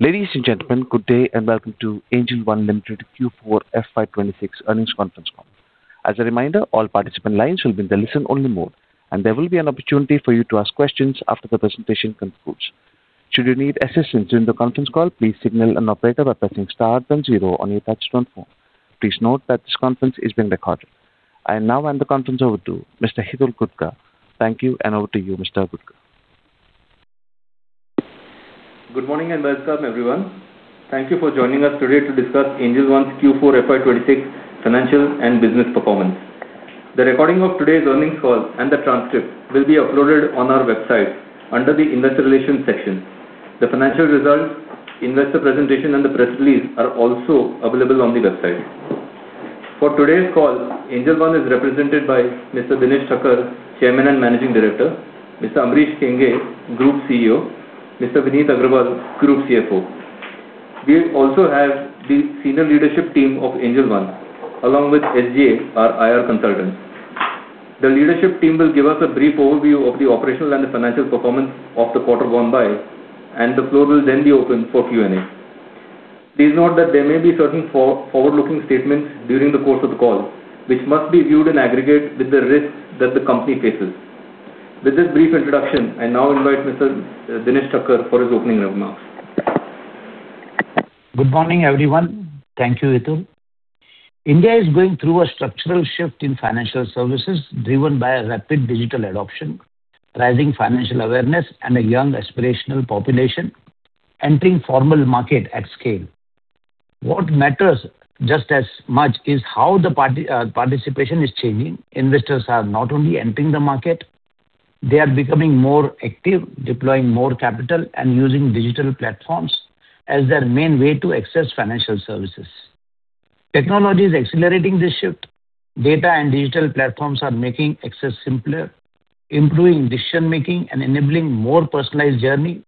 Ladies and gentlemen, good day and welcome to Angel One Limited Q4 FY 2026 Earnings Conference Call. As a reminder, all participant lines will be in the listen-only mode, and there will be an opportunity for you to ask questions after the presentation concludes. Should you need assistance during the conference call, please signal an operator by pressing star then zero on your touchtone phone. Please note that this conference is being recorded. I now hand the conference over to Mr. Hitul Gutka. Thank you, and over to you, Mr. Gutka. Good morning and welcome, everyone. Thank you for joining us today to discuss Angel One's Q4 FY 2026 Financial and Business Performance. The recording of today's earnings call and the transcript will be uploaded on our website under the investor relations section. The financial results, investor presentation, and the press release are also available on the website. For today's call, Angel One is represented by Mr. Dinesh Thakkar, Chairman and Managing Director, Mr. Ambarish Kenghe, Group CEO, Mr. Vineet Agarwal, Group CFO. We also have the senior leadership team of Angel One, along with SGA, our IR consultant. The leadership team will give us a brief overview of the operational and the financial performance of the quarter gone by, and the floor will then be open for Q&A. Please note that there may be certain forward-looking statements during the course of the call, which must be viewed in aggregate with the risks that the company faces. With this brief introduction, I now invite Mr. Dinesh Thakkar for his opening remarks. Good morning, everyone. Thank you, Hitul. India is going through a structural shift in financial services driven by a rapid digital adoption, rising financial awareness, and a young aspirational population entering formal market at scale. What matters just as much is how the participation is changing. Investors are not only entering the market, they are becoming more active, deploying more capital, and using digital platforms as their main way to access financial services. Technology is accelerating this shift. Data and digital platforms are making access simpler, improving decision-making, and enabling more personalized journey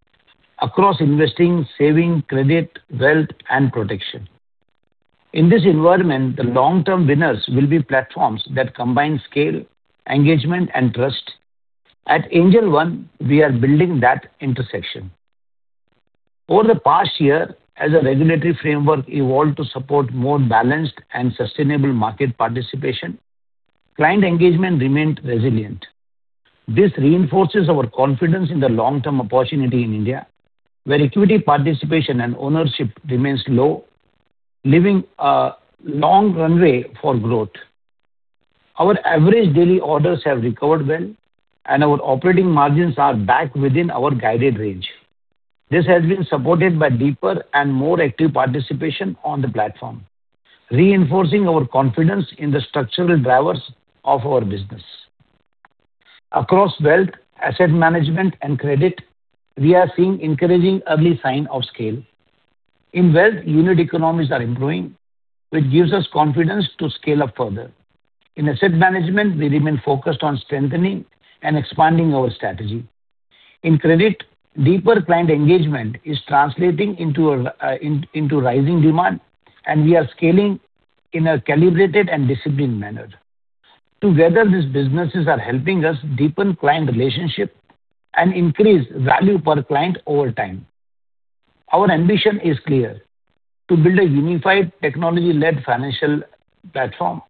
across investing, saving, credit, wealth, and protection. In this environment, the long-term winners will be platforms that combine scale, engagement, and trust. At Angel One, we are building that intersection. Over the past year, as a regulatory framework evolved to support more balanced and sustainable market participation, client engagement remained resilient. This reinforces our confidence in the long-term opportunity in India, where equity participation and ownership remains low, leaving a long runway for growth. Our average daily orders have recovered well, and our operating margins are back within our guided range. This has been supported by deeper and more active participation on the platform, reinforcing our confidence in the structural drivers of our business. Across wealth, asset management, and credit, we are seeing encouraging early sign of scale. In wealth, unit economies are improving, which gives us confidence to scale up further. In asset management, we remain focused on strengthening and expanding our strategy. In credit, deeper client engagement is translating into rising demand, and we are scaling in a calibrated and disciplined manner. Together, these businesses are helping us deepen client relationship and increase value per client over time. Our ambition is clear: to build a unified technology-led financial platform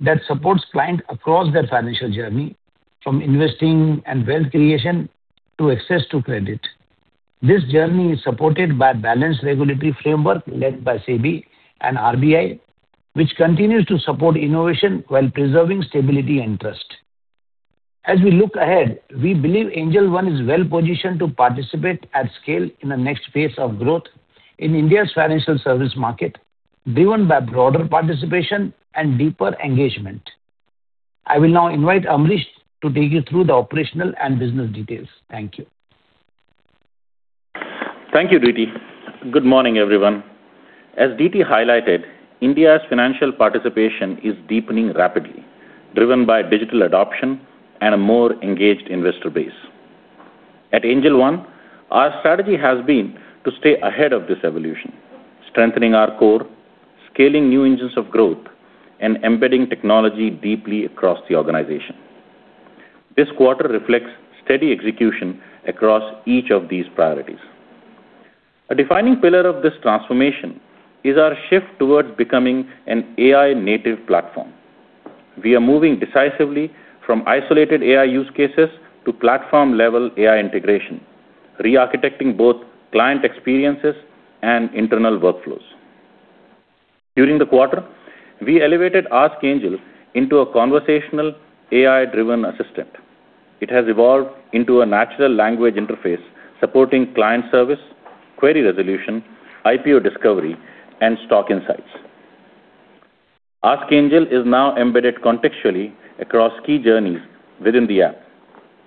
that supports clients across their financial journey, from investing and wealth creation to access to credit. This journey is supported by balanced regulatory framework led by SEBI and RBI, which continues to support innovation while preserving stability and trust. As we look ahead, we believe Angel One is well-positioned to participate at scale in the next phase of growth in India's financial service market, driven by broader participation and deeper engagement. I will now invite Ambarish to take you through the operational and business details. Thank you. Thank you, DT. Good morning, everyone. As DT highlighted, India's financial participation is deepening rapidly, driven by digital adoption and a more engaged investor base. At Angel One, our strategy has been to stay ahead of this evolution, strengthening our core, scaling new engines of growth, and embedding technology deeply across the organization. This quarter reflects steady execution across each of these priorities. A defining pillar of this transformation is our shift towards becoming an AI-native platform. We are moving decisively from isolated AI use cases to platform-level AI integration, re-architecting both client experiences and internal workflows. During the quarter, we elevated Ask Angel into a conversational AI-driven assistant. It has evolved into a natural language interface supporting client service, query resolution, IPO discovery, and stock insights. Ask Angel is now embedded contextually across key journeys within the app,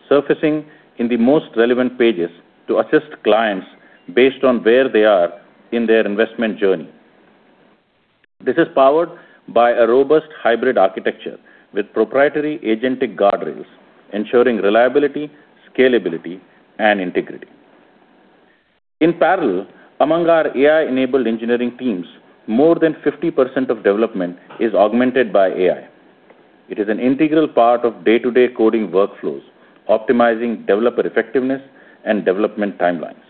surfacing in the most relevant pages to assist clients based on where they are in their investment journey. This is powered by a robust hybrid architecture with proprietary agentic guardrails ensuring reliability, scalability, and integrity. In parallel, among our AI-enabled engineering teams, more than 50% of development is augmented by AI. It is an integral part of day-to-day coding workflows, optimizing developer effectiveness and development timelines.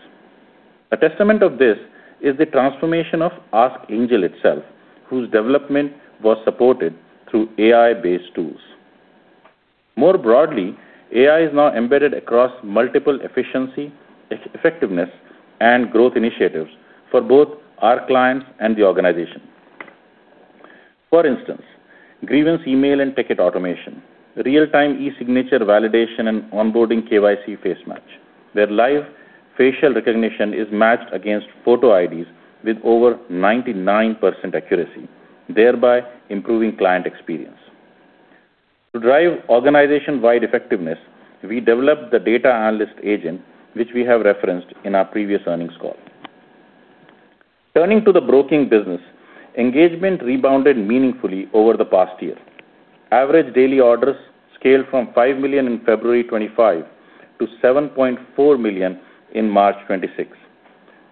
A testament of this is the transformation of Ask Angel itself, whose development was supported through AI-based tools. More broadly, AI is now embedded across multiple efficiency, effectiveness, and growth initiatives for both our clients and the organization. For instance, grievance email and ticket automation, real-time e-signature validation, and onboarding KYC face match, where live facial recognition is matched against photo IDs with over 99% accuracy, thereby improving client experience. To drive organization-wide effectiveness, we developed the data analyst agent, which we have referenced in our previous earnings call. Turning to the broking business, engagement rebounded meaningfully over the past year. Average daily orders scaled from five million in February 2025 to 7.4 million in March 2026,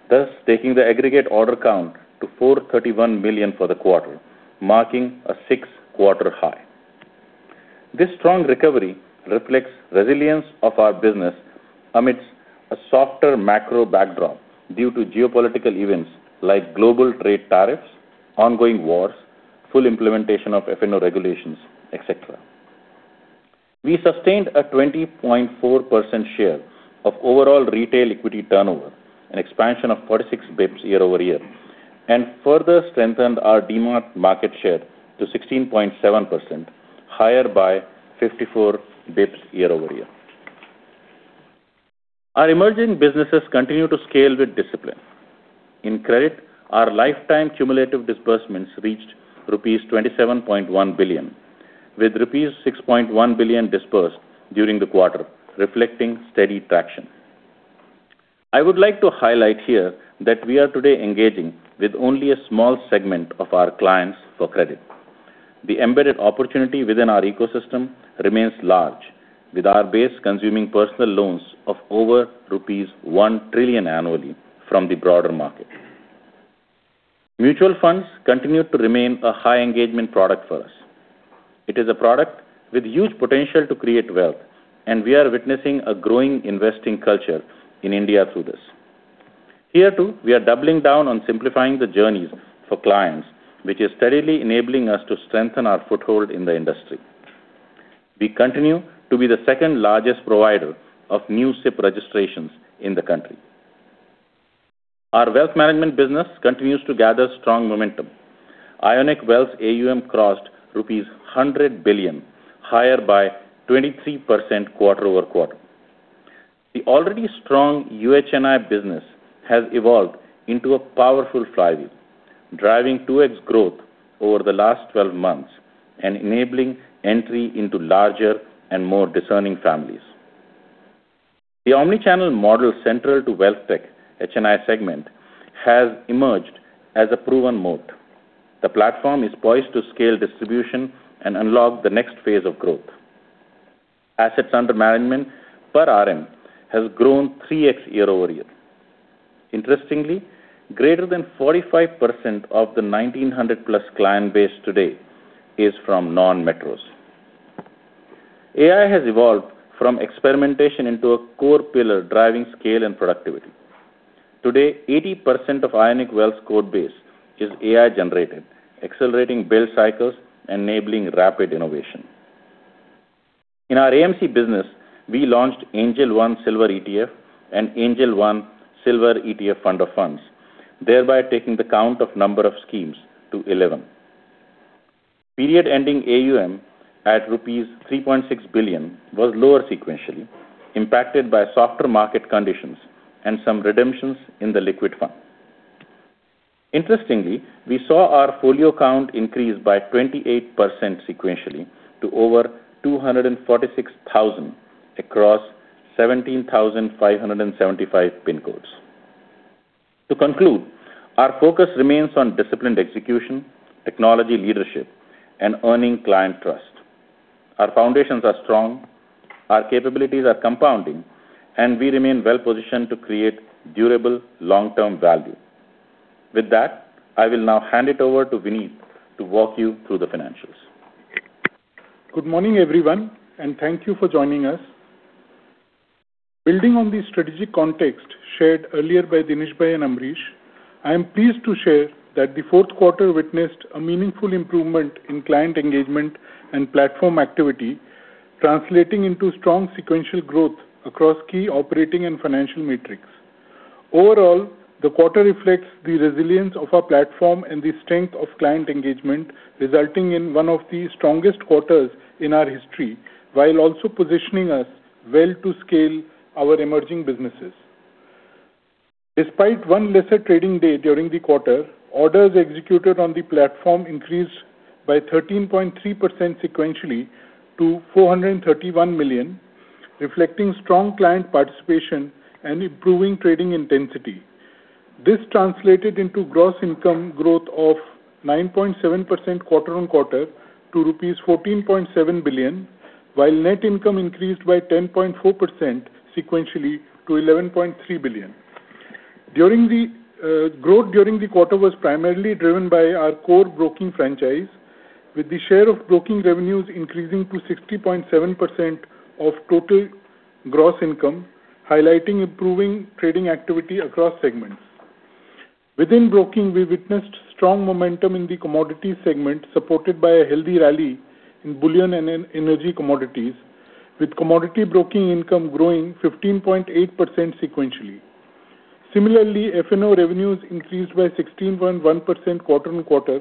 thus taking the aggregate order count to 431 million for the quarter, marking a six-quarter high. This strong recovery reflects resilience of our business amidst a softer macro backdrop due to geopolitical events like global trade tariffs, ongoing wars, full implementation of F&O regulations, et cetera. We sustained a 20.4% share of overall retail equity turnover, an expansion of 46 basis points year-over-year, and further strengthened our demat market share to 16.7%, higher by 54 basis points year-over-year. Our emerging businesses continue to scale with discipline. In credit, our lifetime cumulative disbursements reached rupees 27.1 billion, with rupees 6.1 billion dispersed during the quarter, reflecting steady traction. I would like to highlight here that we are today engaging with only a small segment of our clients for credit. The embedded opportunity within our ecosystem remains large, with our base consuming personal loans of over rupees 1 trillion annually from the broader market. Mutual funds continue to remain a high engagement product for us. It is a product with huge potential to create wealth, and we are witnessing a growing investing culture in India through this. Here, too, we are doubling down on simplifying the journeys for clients, which is steadily enabling us to strengthen our foothold in the industry. We continue to be the second-largest provider of new SIP registrations in the country. Our wealth management business continues to gather strong momentum. Ionic Wealth's AUM crossed rupees 100 billion, higher by 23% quarter-over-quarter. The already strong UHNI business has evolved into a powerful flywheel, driving 2x growth over the last 12 months and enabling entry into larger and more discerning families. The omni-channel model central to Wealth Tech HNI segment has emerged as a proven moat. The platform is poised to scale distribution and unlock the next phase of growth. Assets under management per RM has grown 3x year-over-year. Interestingly, greater than 45% of the 1,900+ client base today is from non-metros. AI has evolved from experimentation into a core pillar driving scale and productivity. Today, 80% of Ionic Wealth's code base is AI-generated, accelerating build cycles, enabling rapid innovation. In our AMC business, we launched Angel One Silver ETF and Angel One Silver ETF Fund of Funds, thereby taking the count of number of schemes to 11. Period ending AUM at rupees 3.6 billion was lower sequentially, impacted by softer market conditions and some redemptions in the liquid fund. Interestingly, we saw our folio count increase by 28% sequentially to over 246,000 across 17,575 PIN codes. To conclude, our focus remains on disciplined execution, technology leadership, and earning client trust. Our foundations are strong, our capabilities are compounding, and we remain well positioned to create durable long-term value. With that, I will now hand it over to Vineet to walk you through the financials. Good morning, everyone, and thank you for joining us. Building on the strategic context shared earlier by Dinesh Bhai and Ambarish, I am pleased to share that the fourth quarter witnessed a meaningful improvement in client engagement and platform activity, translating into strong sequential growth across key operating and financial metrics. Overall, the quarter reflects the resilience of our platform and the strength of client engagement, resulting in one of the strongest quarters in our history, while also positioning us well to scale our emerging businesses. Despite one lesser trading day during the quarter, orders executed on the platform increased by 13.3% sequentially to 431 million, reflecting strong client participation and improving trading intensity. This translated into gross income growth of 9.7% quarter-on-quarter to rupees 14.7 billion, while net income increased by 10.4% sequentially to 11.3 billion. The growth during the quarter was primarily driven by our core broking franchise, with the share of broking revenues increasing to 60.7% of total gross income, highlighting improving trading activity across segments. Within broking, we witnessed strong momentum in the commodity segment, supported by a healthy rally in bullion and energy commodities, with commodity broking income growing 15.8% sequentially. Similarly, F&O revenues increased by 16.1% quarter-on-quarter,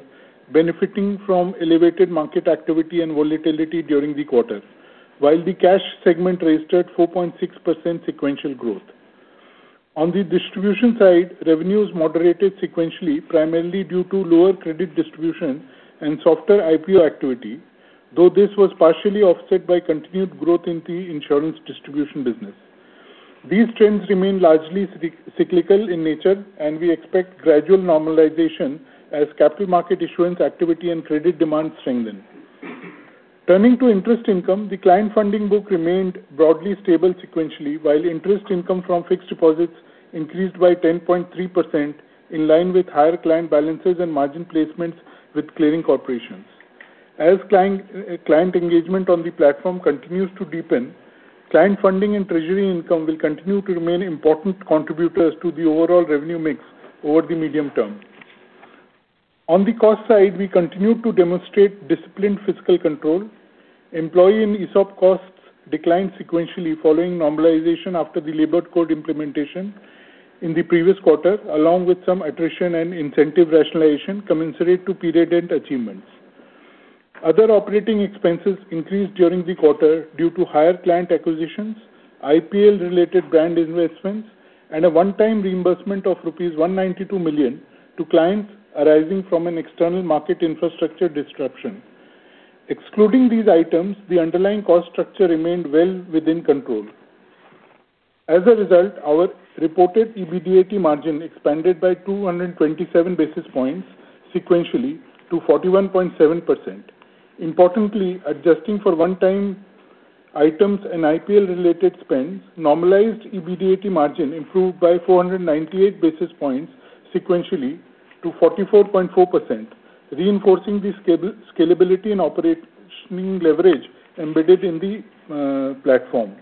benefiting from elevated market activity and volatility during the quarter. The cash segment registered 4.6% sequential growth. On the distribution side, revenues moderated sequentially, primarily due to lower credit distribution and softer IPO activity, though this was partially offset by continued growth in the insurance distribution business. These trends remain largely cyclical in nature, and we expect gradual normalization as capital market issuance activity and credit demand strengthen. Turning to interest income, the client funding book remained broadly stable sequentially, while interest income from fixed deposits increased by 10.3%, in line with higher client balances and margin placements with clearing corporations. As client engagement on the platform continues to deepen, client funding and treasury income will continue to remain important contributors to the overall revenue mix over the medium term. On the cost side, we continue to demonstrate disciplined fiscal control. Employee and ESOP costs declined sequentially following normalization after the labor code implementation in the previous quarter, along with some attrition and incentive rationalization commensurate to period end achievements. Other operating expenses increased during the quarter due to higher client acquisitions, IPL-related brand investments, and a one-time reimbursement of rupees 192 million to clients arising from an external market infrastructure disruption. Excluding these items, the underlying cost structure remained well within control. As a result, our reported EBITDA margin expanded by 227 basis points sequentially to 41.7%. Importantly, adjusting for one-time items and IPL-related spends, normalized EBITDA margin improved by 498 basis points sequentially to 44.4%, reinforcing the scalability and operating leverage embedded in the platform.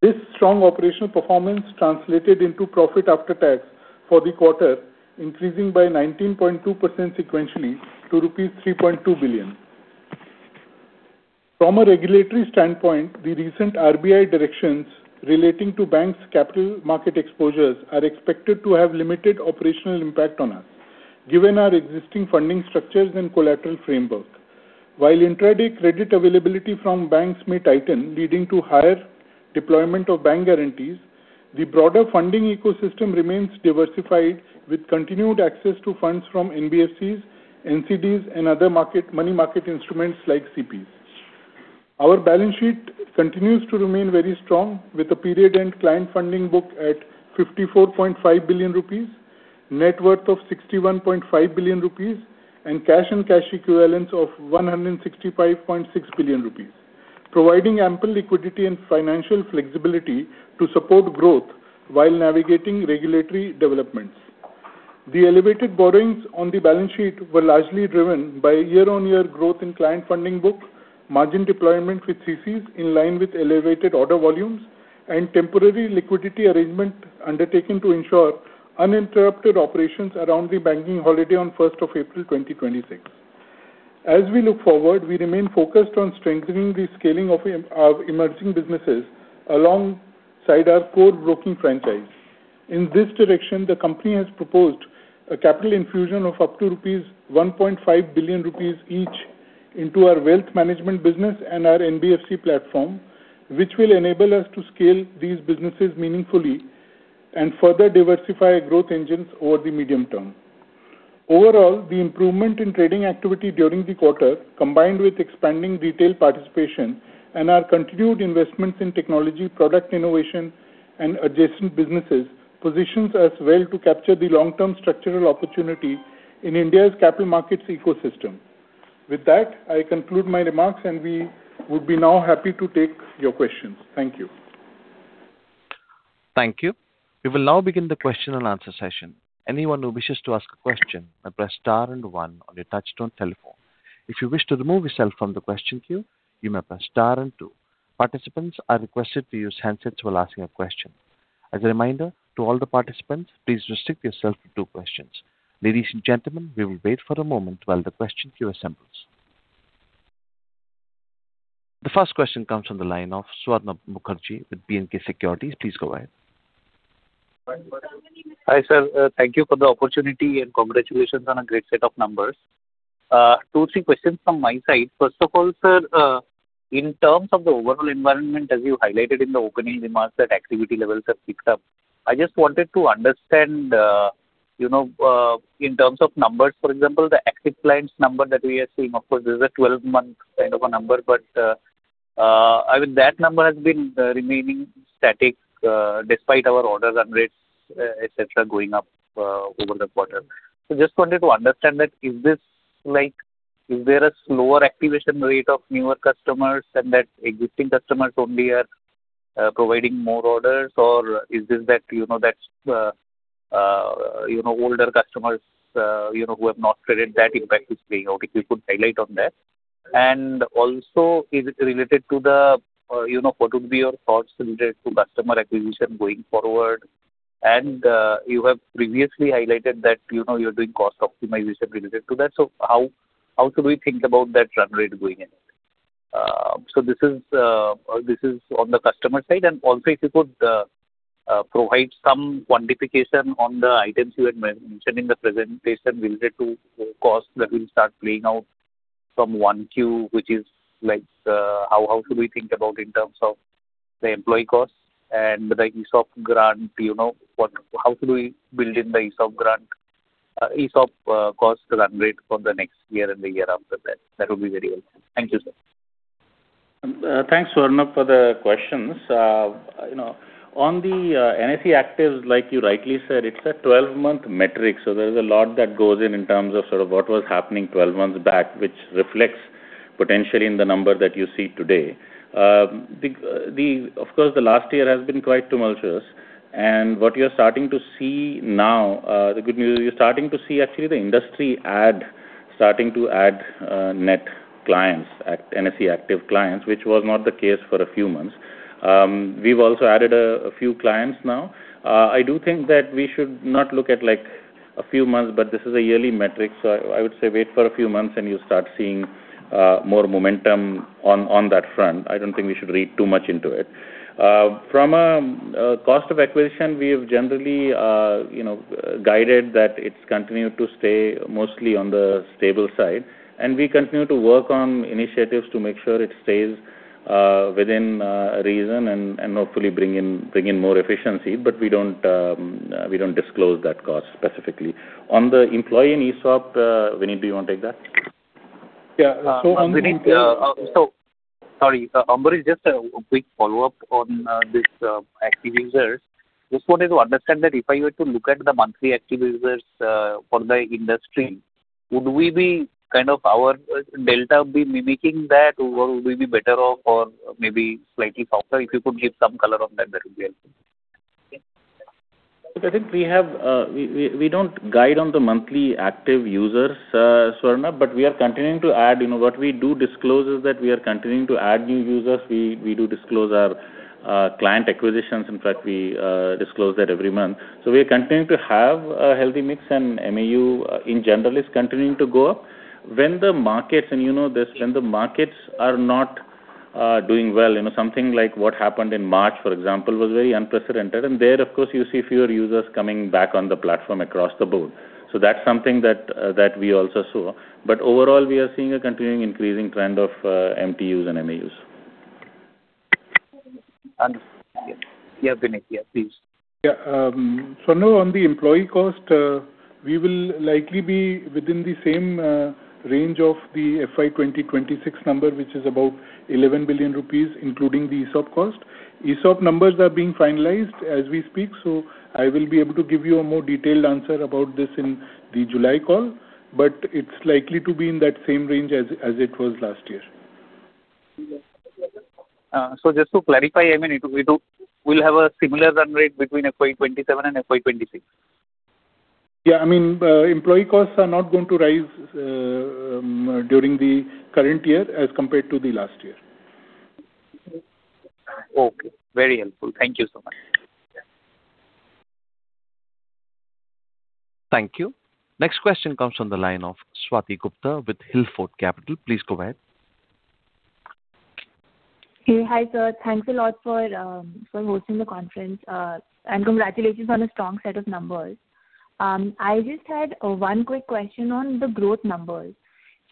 This strong operational performance translated into profit after tax for the quarter, increasing by 19.2% sequentially to rupees 3.2 billion. From a regulatory standpoint, the recent RBI directions relating to banks' capital market exposures are expected to have limited operational impact on us, given our existing funding structures and collateral framework. While intraday credit availability from banks may tighten, leading to higher deployment of bank guarantees, the broader funding ecosystem remains diversified with continued access to funds from NBFCs, NCDs, and other money market instruments like CPs. Our balance sheet continues to remain very strong with a period-end client funding book at 54.5 billion rupees, net worth of 61.5 billion rupees, and cash and cash equivalents of 165.6 billion rupees, providing ample liquidity and financial flexibility to support growth while navigating regulatory developments. The elevated borrowings on the balance sheet were largely driven by year-on-year growth in client funding book, margin deployment with CCs in line with elevated order volumes, and temporary liquidity arrangement undertaken to ensure uninterrupted operations around the banking holiday on 1st of April 2026. As we look forward, we remain focused on strengthening the scaling of our emerging businesses alongside our core broking franchise. In this direction, the company has proposed a capital infusion of up to 1.5 billion rupees each into our wealth management business and our NBFC platform, which will enable us to scale these businesses meaningfully and further diversify our growth engines over the medium term. Overall, the improvement in trading activity during the quarter, combined with expanding retail participation and our continued investments in technology, product innovation, and adjacent businesses, positions us well to capture the long-term structural opportunity in India's capital markets ecosystem. With that, I conclude my remarks, and we would be now happy to take your questions. Thank you. Thank you. We will now begin the question and answer session. Anyone who wishes to ask a question may press star and one on your touchtone telephone. If you wish to remove yourself from the question queue, you may press star and two. Participants are requested to use handsets while asking a question. As a reminder to all the participants, please restrict yourself to two questions. Ladies and gentlemen, we will wait for a moment while the question queue assembles. The first question comes from the line of Swarnabha Mukherjee with B&K Securities. Please go ahead. Hi, sir. Thank you for the opportunity, and congratulations on a great set of numbers. Two or three questions from my side. First of all, sir, in terms of the overall environment, as you highlighted in the opening remarks, that activity levels have picked up. I just wanted to understand, in terms of numbers, for example, the active clients number that we are seeing. Of course, this is a 12-month kind of a number. But that number has been remaining static despite our order run rates, et cetera, going up over the quarter. Just wanted to understand that is this like, is there a slower activation rate of newer customers and that existing customers only are providing more orders? Or is this that older customers who have not traded that impact is playing out, if you could highlight on that. What would be your thoughts related to customer acquisition going forward? You have previously highlighted that you're doing cost optimization related to that. How should we think about that run rate going in? This is on the customer side, and also if you could provide some quantification on the items you had mentioned in the presentation related to cost that will start playing out from one 1Q, how should we think about in terms of the employee costs and the ESOP grant? How should we build in the ESOP cost run rate for the next year and the year after that? That would be very helpful. Thank you, sir. Thanks, Swarnabha, for the questions. On the NSE Actives, like you rightly said, it's a 12-month metric, so there's a lot that goes in terms of what was happening 12 months back, which reflects potentially in the number that you see today. Of course, the last year has been quite tumultuous, and what you're starting to see now, the good news is you're starting to see actually the industry starting to add net clients, NSE Active clients, which was not the case for a few months. We've also added a few clients now. I do think that we should not look at a few months, but this is a yearly metric, so I would say wait for a few months and you'll start seeing more momentum on that front. I don't think we should read too much into it. From a cost of acquisition, we have generally guided that it's continued to stay mostly on the stable side, and we continue to work on initiatives to make sure it stays within reason and hopefully bring in more efficiency. But we don't disclose that cost specifically. On the employee and ESOP, Vineet, do you want to take that? Yeah. Sorry, Ambar, just a quick follow-up on these active users. Just wanted to understand that if I were to look at the monthly active users for the industry, would our delta be mimicking that, or would we be better off or maybe slightly softer? If you could give some color on that would be helpful. Look, I think we don't guide on the monthly active users, Swarnabha, but we are continuing to add. What we do disclose is that we are continuing to add new users. We do disclose our client acquisitions. In fact, we disclose that every month. We are continuing to have a healthy mix, and MAU, in general, is continuing to go up. When the markets are not doing well, something like what happened in March, for example, was very unprecedented, and there, of course, you see fewer users coming back on the platform across the board. That's something that we also saw. Overall, we are seeing a continuing increasing trend of MTUs and MAUs. Understood. Yeah, Vineet. Yeah, please. Yeah. Swarnabha, on the employee cost, we will likely be within the same range of the FY 2026 number, which is about 11 billion rupees, including the ESOP cost. ESOP numbers are being finalized as we speak, so I will be able to give you a more detailed answer about this in the July call, but it's likely to be in that same range as it was last year. Just to clarify, we'll have a similar run rate between FY 2027 and FY 2026? Yeah, employee costs are not going to rise during the current year as compared to the last year. Okay. Very helpful. Thank you so much. Thank you. Next question comes from the line of Swati Gupta with Hill Fort Capital. Please go ahead. Hey. Hi, sir. Thanks a lot for hosting the conference, and congratulations on a strong set of numbers. I just had one quick question on the growth numbers.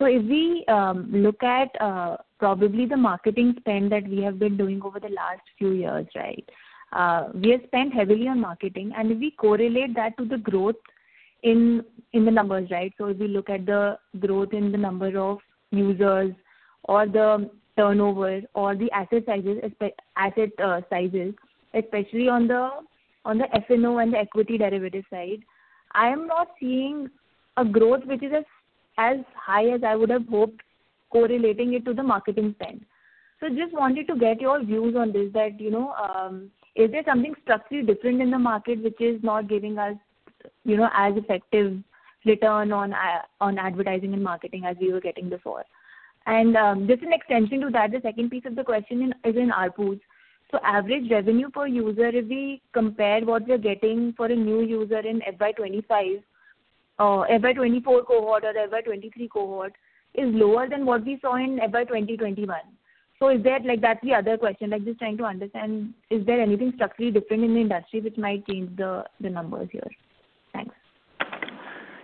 If we look at probably the marketing spend that we have been doing over the last few years, we have spent heavily on marketing, and if we correlate that to the growth in the numbers, if we look at the growth in the number of users or the turnover or the asset sizes, especially on the F&O and the equity derivative side, I am not seeing a growth which is as high as I would have hoped correlating it to the marketing spend. Just wanted to get your views on this that, is there something structurally different in the market which is not giving us as effective return on advertising and marketing as we were getting before? Just an extension to that, the second piece of the question is in ARPU. Average revenue per user, if we compare what we're getting for a new user in FY 2025 or FY 2024 cohort or FY 2023 cohort, is lower than what we saw in FY 2021. That's the other question. Just trying to understand, is there anything structurally different in the industry which might change the numbers here? Thanks.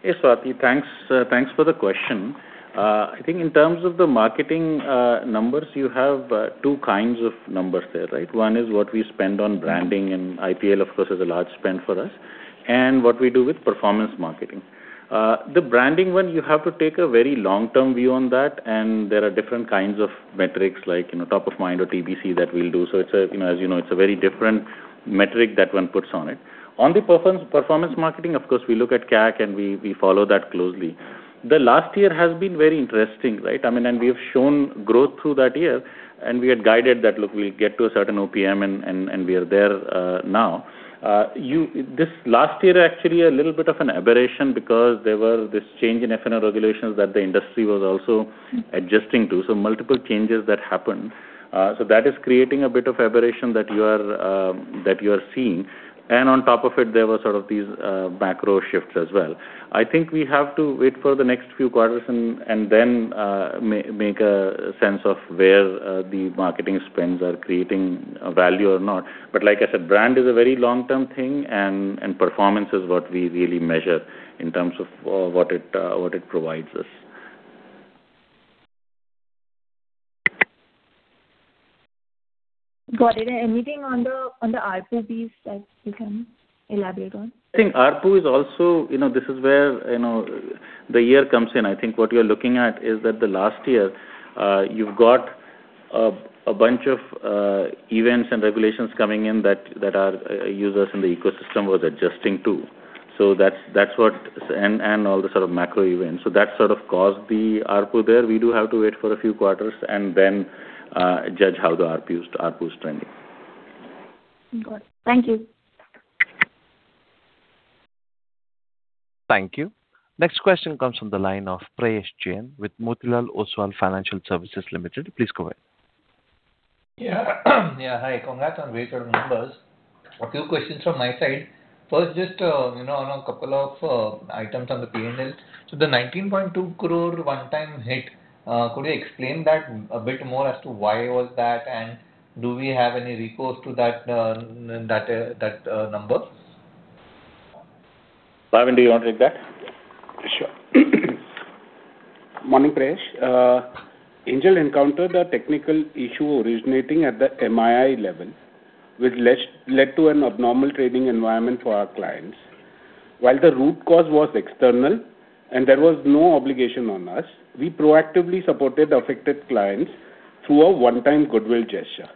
Yes, Swati. Thanks for the question. I think in terms of the marketing numbers, you have two kinds of numbers there. One is what we spend on branding, and IPL, of course, is a large spend for us, and what we do with performance marketing. The branding one, you have to take a very long-term view on that, and there are different kinds of metrics like top of mind or TOMA that we'll do. So as you know, it's a very different metric that one puts on it. On the performance marketing, of course, we look at CAC and we follow that closely. The last year has been very interesting, right? We have shown growth through that year, and we had guided that, look, we'll get to a certain OPM and we are there now. This last year actually a little bit of an aberration because there were this change in F&O regulations that the industry was also adjusting to, so multiple changes that happened. That is creating a bit of aberration that you are seeing. On top of it, there were sort of these macro shifts as well. I think we have to wait for the next few quarters and then make sense of where the marketing spends are creating value or not. Like I said, brand is a very long-term thing, and performance is what we really measure in terms of what it provides us. Got it. Anything on the ARPU piece that you can elaborate on? I think ARPU is also. This is where the year comes in. I think what we are looking at is that the last year, you've got a bunch of events and regulations coming in that our users in the ecosystem were adjusting to, and all the sort of macro events. That sort of caused the ARPU there. We do have to wait for a few quarters and then judge how the ARPU is trending. Got it. Thank you. Thank you. Next question comes from the line of Prayesh Jain with Motilal Oswal Financial Services Limited. Please go ahead. Yeah. Hi. Congrats on very good numbers. A few questions from my side. First, just on a couple of items on the P&L. The 19.2 crore one-time hit, could you explain that a bit more as to why was that, and do we have any recourse to that number? Bhavin, do you want to take that? Sure. Good morning, Prayesh. Angel encountered a technical issue originating at the MII level, which led to an abnormal trading environment for our clients. While the root cause was external and there was no obligation on us, we proactively supported affected clients through a one-time goodwill gesture.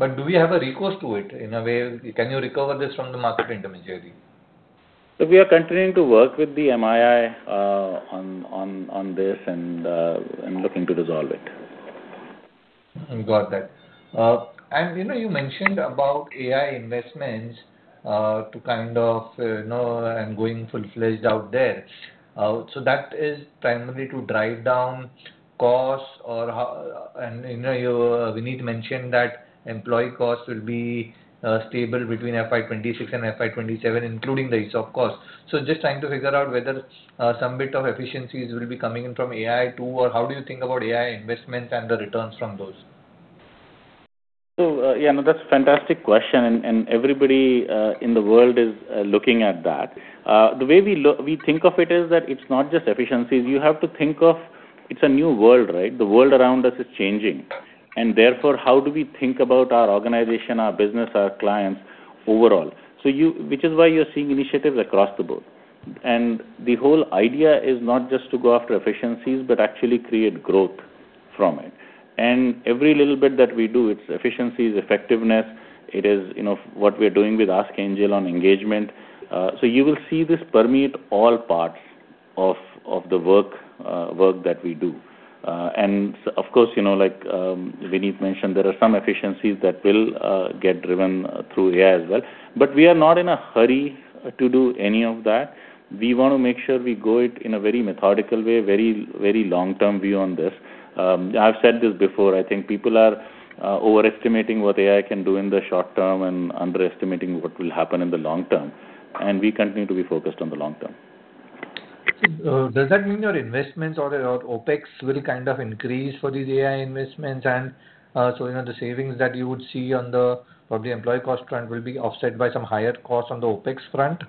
Do we have a recourse to it? In a way, can you recover this from the market intermediary? Look, we are continuing to work with the MII on this and looking to resolve it. Got that. You mentioned about AI investments to kind of grow and going full-fledged out there. That is primarily to drive down costs or, Vineet mentioned that employee costs will be stable between FY 2026 and FY 2027, including the use of cost. Just trying to figure out whether some bit of efficiencies will be coming in from AI too, or how do you think about AI investments and the returns from those? Yeah, no, that's a fantastic question, and everybody in the world is looking at that. The way we think of it is that it's not just efficiencies. You have to think of it as a new world, right? The world around us is changing, and therefore, how do we think about our organization, our business, our clients overall? Which is why you're seeing initiatives across the board. The whole idea is not just to go after efficiencies but actually create growth from it. Every little bit that we do, it's efficiencies, effectiveness. It is what we are doing with Ask Angel on engagement. You will see this permeate all parts of the work that we do. Of course, like Vineet mentioned, there are some efficiencies that will get driven through AI as well. We are not in a hurry to do any of that. We want to make sure we go at it in a very methodical way, very long-term view on this. I've said this before, I think people are overestimating what AI can do in the short term and underestimating what will happen in the long term, and we continue to be focused on the long term. Does that mean your investments or your OpEx will kind of increase for these AI investments and so the savings that you would see on the employee cost front will be offset by some higher costs on the OpEx front?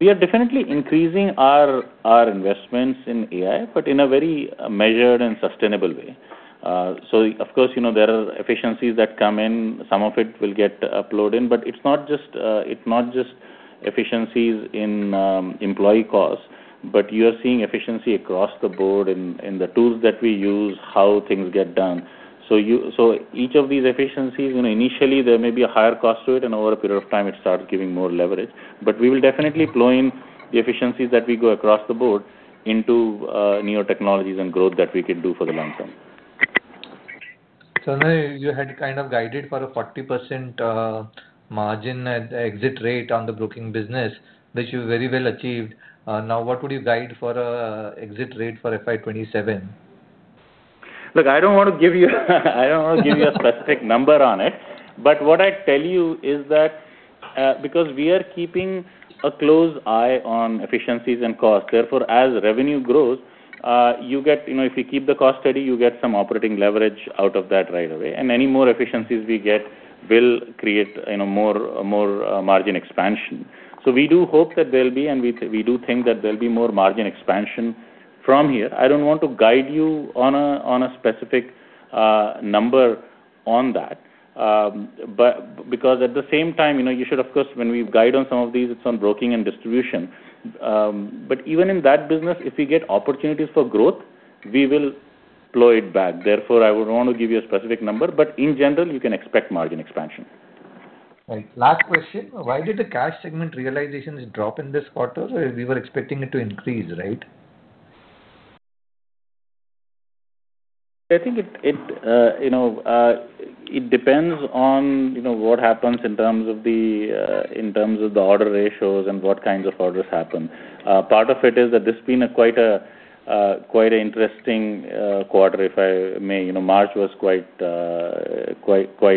We are definitely increasing our investments in AI, but in a very measured and sustainable way. Of course, there are efficiencies that come in. Some of it will get uploaded, but it's not just efficiencies in employee costs, but you are seeing efficiency across the board in the tools that we use, how things get done. Each of these efficiencies, initially, there may be a higher cost to it, and over a period of time, it starts giving more leverage. We will definitely plow in the efficiencies that we grow across the board into new technologies and growth that we can do for the long term. You had kind of guided for a 40% margin at exit rate on the broking business, which you very well achieved. Now, what would you guide for a exit rate for FY 2027? Look, I don't want to give you a specific number on it. What I'd tell you is that because we are keeping a close eye on efficiencies and costs, therefore, as revenue grows, if you keep the cost steady, you get some operating leverage out of that right away. Any more efficiencies we get will create more margin expansion. We do hope that there'll be, and we do think that there'll be more margin expansion from here. I don't want to guide you on a specific number on that. Because at the same time, you should of course, when we guide on some of these, it's on broking and distribution. Even in that business, if we get opportunities for growth, we will plow it back. Therefore, I wouldn't want to give you a specific number, but in general, you can expect margin expansion. Right. Last question, why did the cash segment realizations drop in this quarter? We were expecting it to increase, right? I think it depends on what happens in terms of the order ratios and what kinds of orders happen. Part of it is that it's been quite an interesting quarter, if I may. March was quite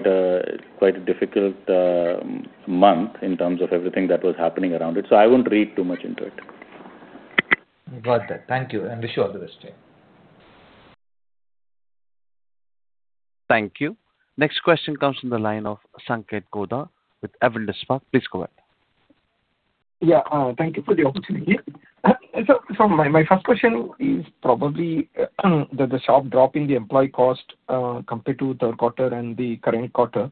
a difficult month in terms of everything that was happening around it, so I wouldn't read too much into it. Got that. Thank you, and wish you all the best. Thank you. Next question comes from the line of Sanket Godha with Avendus Spark. Please go ahead. Yeah. Thank you for the opportunity. My first question is probably the sharp drop in the employee cost compared to third quarter and the current quarter,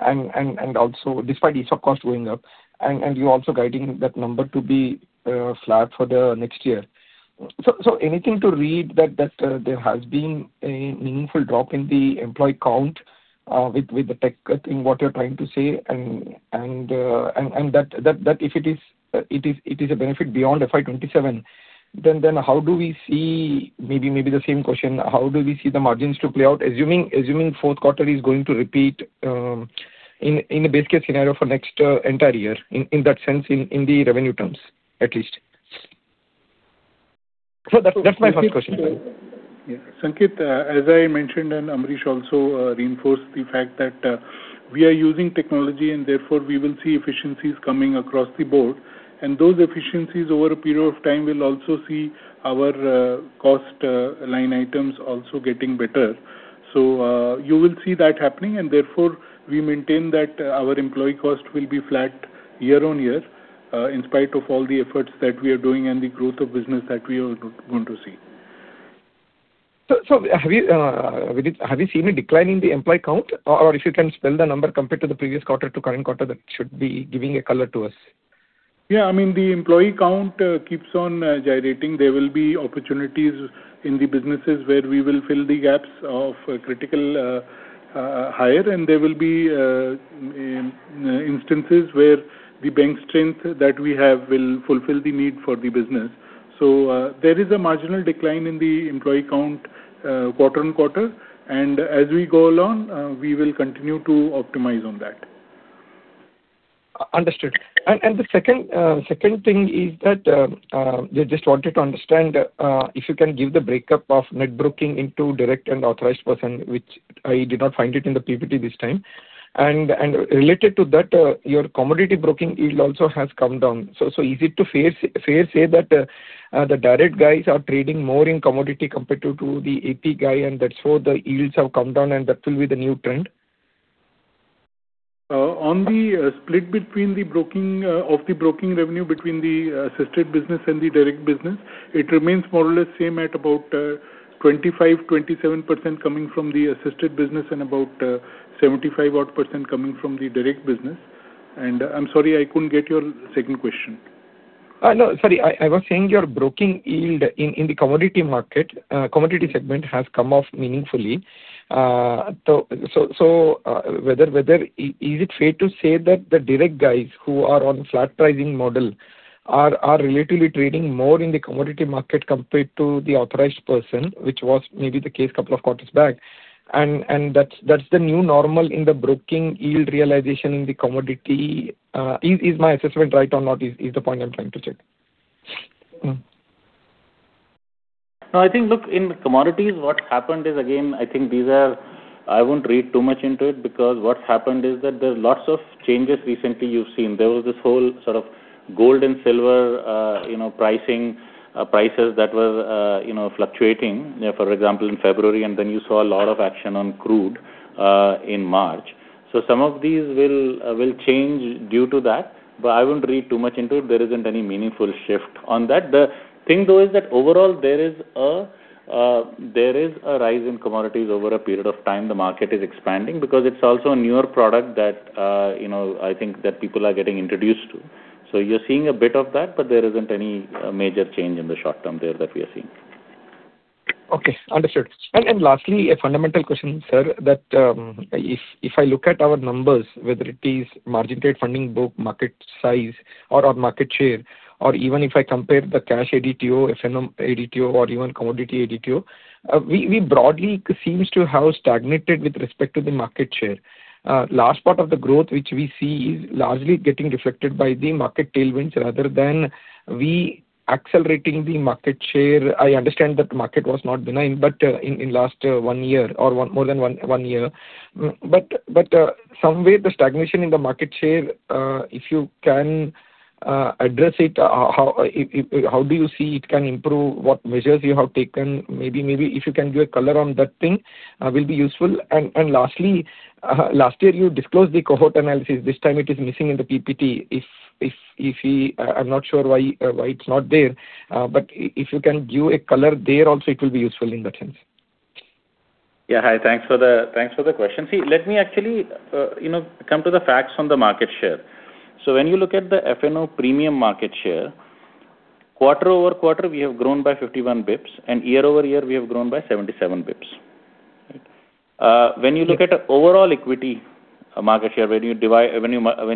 and also despite the subcost going up, and you're also guiding with that number tp bet flat for the next year. So anything to read that there has been a meaningful drop in the employee count with the tech thing, what you're trying to say, that is a benefit beyond FY 2027. Then how do we see, maybe we need the same question. How do wee see the margins drop out, assuming fourth quarter is going to repeat in a better scenario for the next entire year, in the sense, in the revenue terms at least. So, that's my first question. Yeah. Sanket, as I mentioned, and Ambarish also reinforced the fact that we are using technology and therefore we will see efficiencies coming across the board. Those efficiencies over a period of time will also see our cost line items also getting better. You will see that happening, and therefore we maintain that our employee cost will be flat year-over-year, in spite of all the efforts that we are doing and the growth of business that we are going to see. Have you seen a decline in the employee count? Or if you can share the number from the previous quarter to current quarter, that should be giving a color to us. Yeah, the employee count keeps on gyrating. There will be opportunities in the businesses where we will fill the gaps of critical hire, and there will be instances where the bench strength that we have will fulfill the need for the business. There is a marginal decline in the employee count quarter-on-quarter. As we go along, we will continue to optimize on that. Understood. The second thing is that just wanted to understand if you can give the breakup of net broking into direct and authorized person, which I did not find it in the PPT this time. Related to that, your commodity broking yield also has come down. Is it fair to say that the direct guys are trading more in commodity compared to the AP guy, and that's why the yields have come down and that will be the new trend? On the split between the broking of the broking revenue between the assisted business and the direct business, it remains more or less same at about 25%-27% coming from the assisted business and about 75% odd coming from the direct business. I'm sorry, I couldn't get your second question. No, sorry. I was saying your broking yield in the commodity market, commodity segment, has come off meaningfully. Is it fair to say that the direct guys who are on flat pricing model are relatively trading more in the commodity market compared to the authorized person, which was maybe the case couple of quarters back, and that's the new normal in the broking yield realization in the commodity? Is my assessment right or not, is the point I'm trying to check. No, I think, look, in commodities, what happened is again, I think these are. I wouldn't read too much into it because what's happened is that there's lots of changes recently you've seen. There was this whole sort of gold and silver prices that were fluctuating, for example, in February, and then you saw a lot of action on crude in March. Some of these will change due to that, but I wouldn't read too much into it. There isn't any meaningful shift on that. The thing though is that overall, there is a rise in commodities over a period of time. The market is expanding because it's also a newer product that I think that people are getting introduced to. You're seeing a bit of that, but there isn't any major change in the short term there that we are seeing. Okay, understood. Lastly, a fundamental question, sir, that if I look at our numbers, whether it is margin trade funding book, market size, or our market share, or even if I compare the cash ADTO, F&O ADTO or even commodity ADTO, we broadly seems to have stagnated with respect to the market share. Last part of the growth, which we see is largely getting reflected by the market tailwinds rather than we accelerating the market share. I understand that the market was not benign, but in last one year or more than one year. Somewhere, the stagnation in the market share, if you can address it, how do you see it can improve? What measures you have taken? Maybe if you can give a color on that thing will be useful. Lastly, last year you disclosed the cohort analysis. This time it is missing in the PPT. I'm not sure why it's not there. If you can give a color there also, it will be useful in that sense. Yeah. Hi. Thanks for the question. See, let me actually come to the facts on the market share. When you look at the F&O premium market share quarter-over-quarter, we have grown by 51 bps, and year-over-year, we have grown by 77 bps. When you look at the overall equity market share, when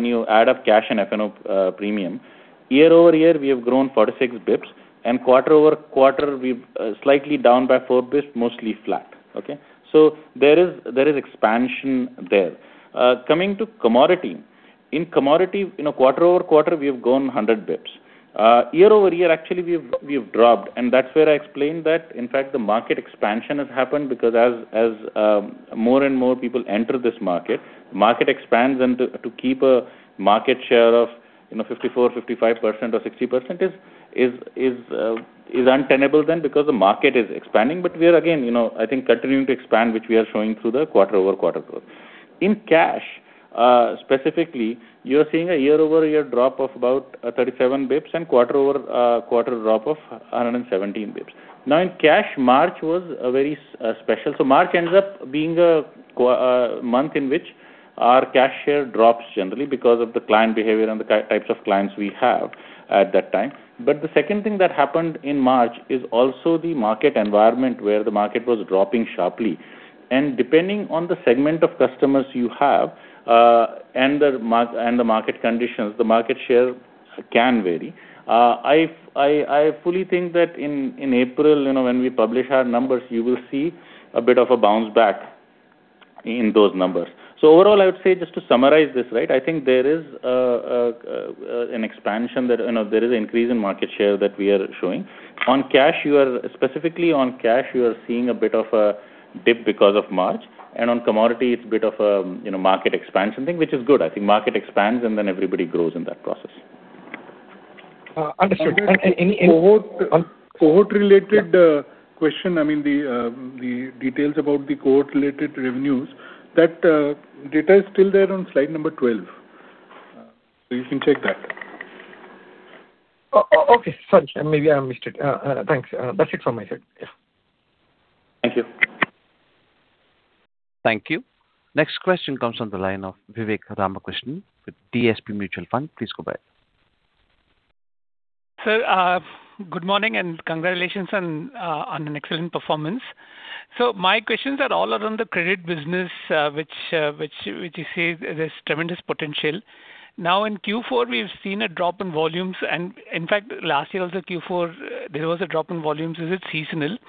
you add up cash and F&O premium, year-over-year, we have grown 46 bps, and quarter-over-quarter, we're slightly down by four bps, mostly flat. There is expansion there. Coming to commodity. In commodity, quarter-over-quarter, we have grown 100 bps. Year-over-year, actually, we have dropped, and that's where I explained that, in fact, the market expansion has happened because as more and more people enter this market expands and to keep a market share of 54%, 55% or 60% is untenable then because the market is expanding. We are again, I think, continuing to expand, which we are showing through the quarter-over-quarter growth. In cash, specifically, you're seeing a year-over-year drop of about 37 basis points and quarter-over-quarter drop of 117 basis points. Now in cash, March was very special. March ends up being a month in which our cash share drops generally because of the client behavior and the types of clients we have at that time. The second thing that happened in March is also the market environment where the market was dropping sharply. Depending on the segment of customers you have and the market conditions, the market share can vary. I fully think that in April, when we publish our numbers, you will see a bit of a bounce back in those numbers. Overall, I would say, just to summarize this, I think there is an expansion. There is an increase in market share that we are showing. Specifically on cash, you are seeing a bit of a dip because of March, and on commodity, it's a bit of a market expansion thing, which is good. I think market expands and then everybody grows in that process. Understood. Thank you. Cohort-related question. I mean, the details about the cohort-related revenues, that data is still there on slide number 12. You can check that. Okay. Sorry. Maybe I missed it. Thanks. That's it from my side. Yeah. Thank you. Thank you. Next question comes on the line of Vivek Ramakrishnan with DSP Mutual Fund. Please go ahead. Sir, good morning and congratulations on an excellent performance. My questions are all around the credit business, which you say there's tremendous potential. Now, in Q4, we've seen a drop in volumes, and in fact, last year also, Q4, there was a drop in volumes. Is it seasonal?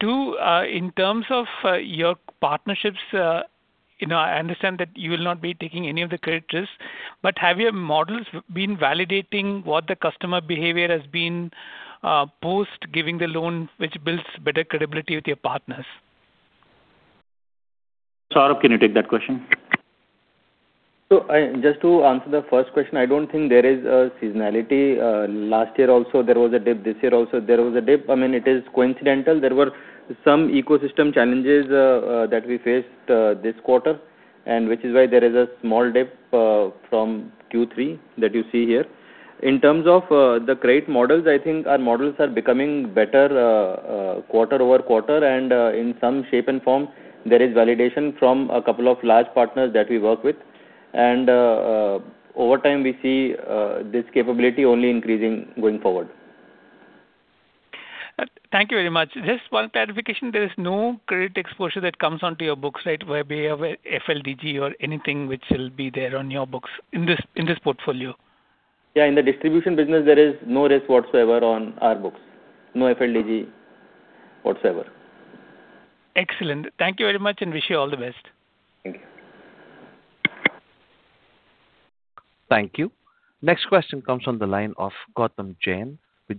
Two, in terms of your partnerships, I understand that you will not be taking any of the credit risk, but have your models been validating what the customer behavior has been post giving the loan, which builds better credibility with your partners? Saurabh, can you take that question? Just to answer the first question, I don't think there is a seasonality. Last year also, there was a dip. This year also, there was a dip. I mean, it is coincidental. There were some ecosystem challenges that we faced this quarter, and which is why there is a small dip from Q3 that you see here. In terms of the credit models, I think our models are becoming better quarter-over-quarter, and in some shape and form, there is validation from a couple of large partners that we work with. Over time, we see this capability only increasing going forward. Thank you very much. Just one clarification. There is no credit exposure that comes onto your books, right? Be it FLDG or anything which will be there on your books in this portfolio. Yeah, in the distribution business, there is no risk whatsoever on our books. No FLDG whatsoever. Excellent. Thank you very much, and I wish you all the best. Thank you. Thank you. Next question comes on the line of Gautam Jain with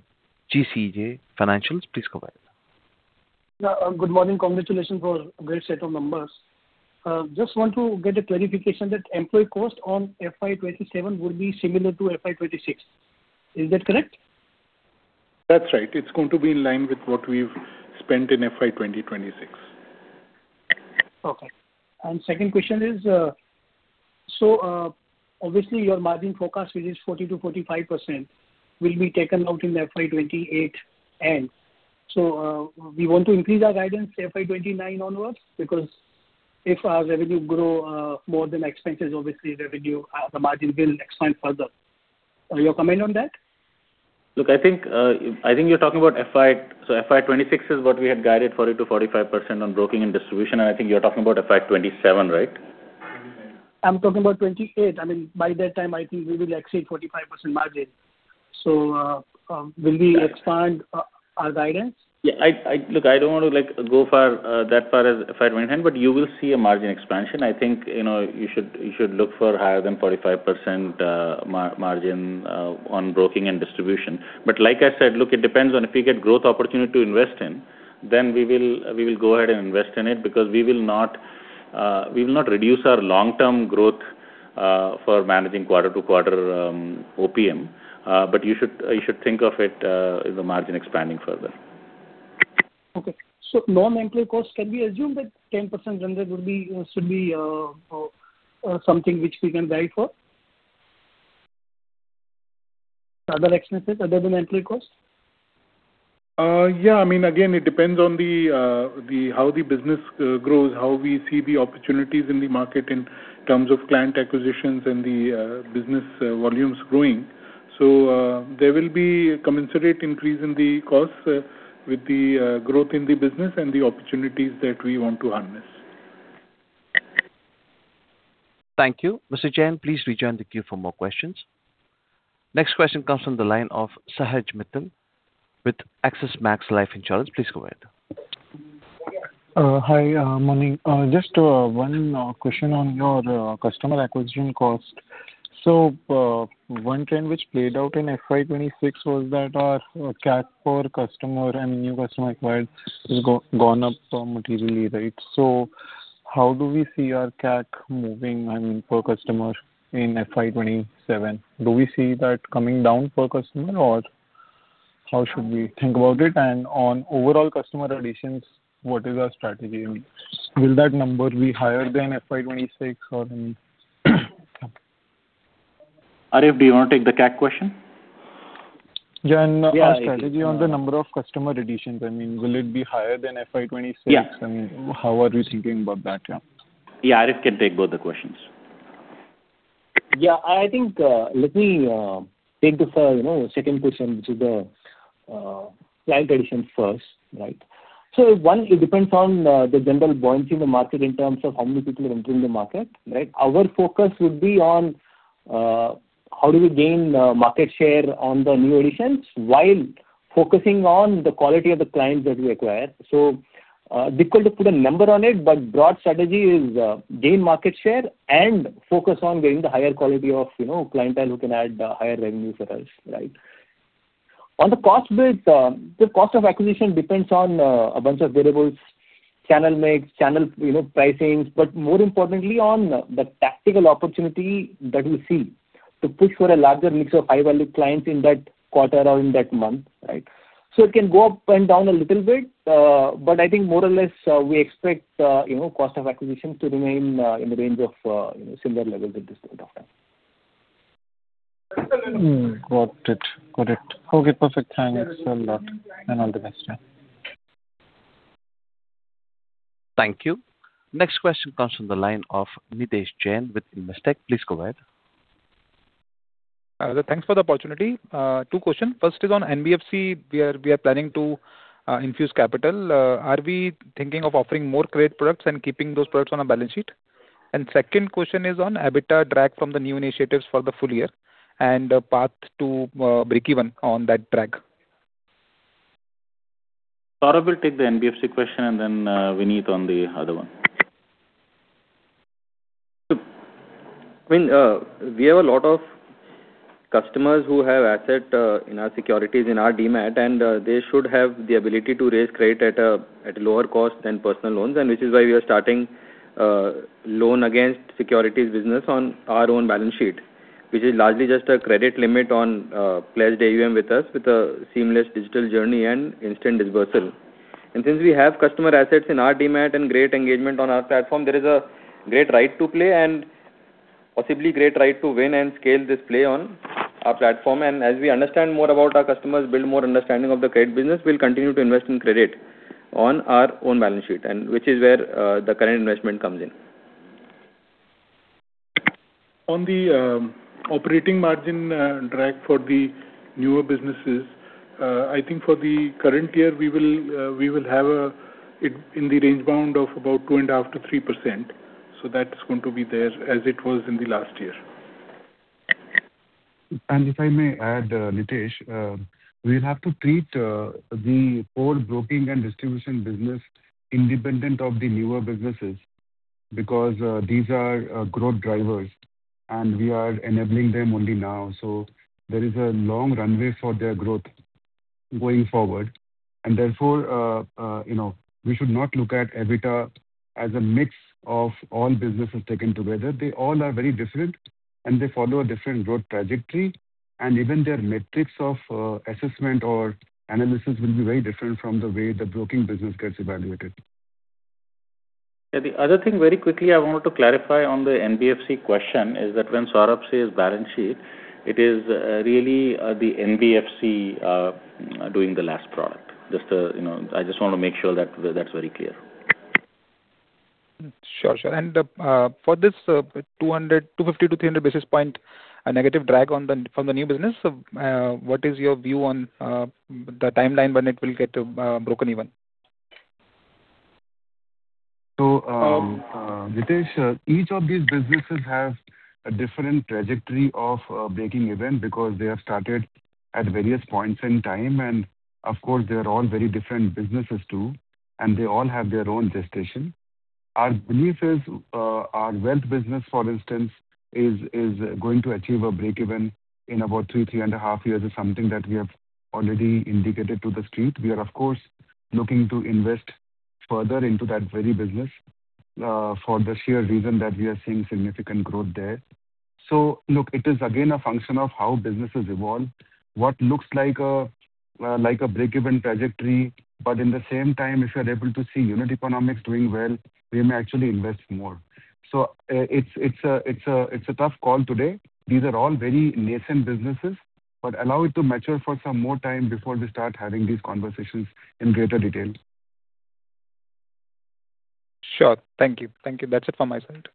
GCL Financials. Please go ahead. Good morning. Congratulations for a great set of numbers. Just want to get a clarification that employee cost on FY 2027 will be similar to FY 2026. Is that correct? That's right. It's going to be in line with what we've spent in FY 2026. Okay. Second question is, obviously your margin forecast, which is 40%-45%, will be taken out in the FY 2028 end. We want to increase our guidance FY 2029 onwards because if our revenue grow more than expenses, obviously the margin will expand further. Your comment on that? Look, I think you're talking about FY, so FY 2026 is what we had guided 40%-45% on broking and distribution, and I think you're talking about FY 2027, right? I'm talking about 2028. I mean, by that time, I think we will exceed 45% margin. Will we expand our guidance? Yeah. Look, I don't want to go that far as FY 2029, but you will see a margin expansion. I think you should look for higher than 45% margin on broking and distribution. Like I said, look, it depends on if we get growth opportunity to invest in, then we will go ahead and invest in it because we will not reduce our long-term growth for managing quarter-to-quarter OPM. You should think of it as a margin expanding further. Okay. Non-employee costs, can we assume that 10% range should be something which we can guide for? Other expenses other than employee cost? Yeah. Again, it depends on how the business grows, how we see the opportunities in the market in terms of client acquisitions and the business volumes growing. There will be commensurate increase in the cost with the growth in the business and the opportunities that we want to harness. Thank you. Mr. Jain, please rejoin the queue for more questions. Next question comes from the line of Sahej Mittal with Axis Max Life Insurance. Please go ahead. Hi. Morning. Just one question on your customer acquisition cost. One trend which played out in FY 2026 was that our CAC per customer and new customer acquired has gone up materially, right? How do we see our CAC moving per customer in FY 2027? Do we see that coming down per customer, or how should we think about it? On overall customer additions, what is our strategy? Will that number be higher than FY 2026 or? Arif, do you want to take the CAC question? Yeah. Our strategy on the number of customer additions. Will it be higher than FY 2026? Yeah. How are you thinking about that? Yeah. Yeah, Arif can take both the questions. Yeah. I think, let me take the second question, which is the client addition first. One, it depends on the general buoyancy in the market in terms of how many people are entering the market. Our focus would be on how do we gain market share on the new additions while focusing on the quality of the clients that we acquire. Difficult to put a number on it, but broad strategy is gain market share and focus on getting the higher quality of clientele who can add higher revenue for us. On the cost bit, the cost of acquisition depends on a bunch of variables. Channel mix, channel pricings, but more importantly on the tactical opportunity that we see to push for a larger mix of high-value clients in that quarter or in that month. It can go up and down a little bit. I think more or less, we expect cost of acquisitions to remain in the range of similar levels at this point of time. Got it. Okay, perfect. Thanks a lot, and all the best. Thank you. Next question comes from the line of Nidhesh Jain with Investec. Please go ahead. Thanks for the opportunity. Two questions. First question is on NBFC. We are planning to infuse capital. Are we thinking of offering more credit products and keeping those products on a balance sheet? Second question is on EBITDA drag from the new initiatives for the full year and path to breakeven on that drag. Saurabh will take the NBFC question and then Vineet on the other one. We have a lot of customers who have asset in our securities, in our DMAT, and they should have the ability to raise credit at a lower cost than personal loans. Which is why we are starting loan against securities business on our own balance sheet, which is largely just a credit limit on pledged AUM with us, with a seamless digital journey and instant dispersal. Since we have customer assets in our DMAT and great engagement on our platform, there is a great right to play and possibly great right to win and scale this play on our platform. As we understand more about our customers, build more understanding of the credit business, we'll continue to invest in credit on our own balance sheet. Which is where the current investment comes in. On the operating margin drag for the newer businesses. I think for the current year, we will have it in the range bound of about 2.5%-3%. That's going to be there as it was in the last year. If I may add, Nidhesh, we'll have to treat the core broking and distribution business independent of the newer businesses because these are growth drivers, and we are enabling them only now. There is a long runway for their growth going forward, and therefore, we should not look at EBITDA as a mix of all businesses taken together. They all are very different, and they follow a different growth trajectory, and even their metrics of assessment or analysis will be very different from the way the broking business gets evaluated. The other thing very quickly I wanted to clarify on the NBFC question is that when Saurabh says balance sheet, it is really the NBFC doing the lending product. I just want to make sure that's very clear. Sure. For this 250-300 basis points negative drag from the new business, what is your view on the timeline when it will get break even? Nidhesh, each of these businesses have a different trajectory of breaking even because they have started at various points in time. Of course, they are all very different businesses too, and they all have their own gestation. Our belief is our wealth business, for instance, is going to achieve a breakeven in about three to 3.5 years is something that we have already indicated to The Street. We are, of course, looking to invest further into that very business for the sheer reason that we are seeing significant growth there. Look, it is again a function of how businesses evolve, what looks like a breakeven trajectory. In the same time, if you are able to see unit economics doing well, we may actually invest more. It's a tough call today. These are all very nascent businesses, but allow it to mature for some more time before we start having these conversations in greater detail. Sure. Thank you. That's it from my side.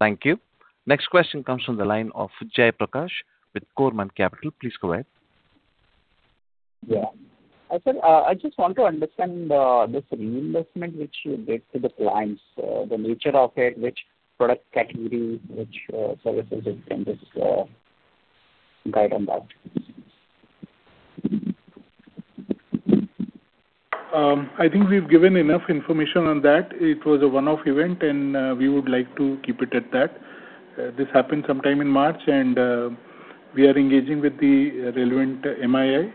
Thank you. Next question comes from the line of Jaiprakash with Korman Capital. Please go ahead. Yeah. I just want to understand this reinvestment which you gave to the clients, the nature of it, which product category, which services, guidance on that? I think we've given enough information on that. It was a one-off event, and we would like to keep it at that. This happened sometime in March, and we are engaging with the relevant MII,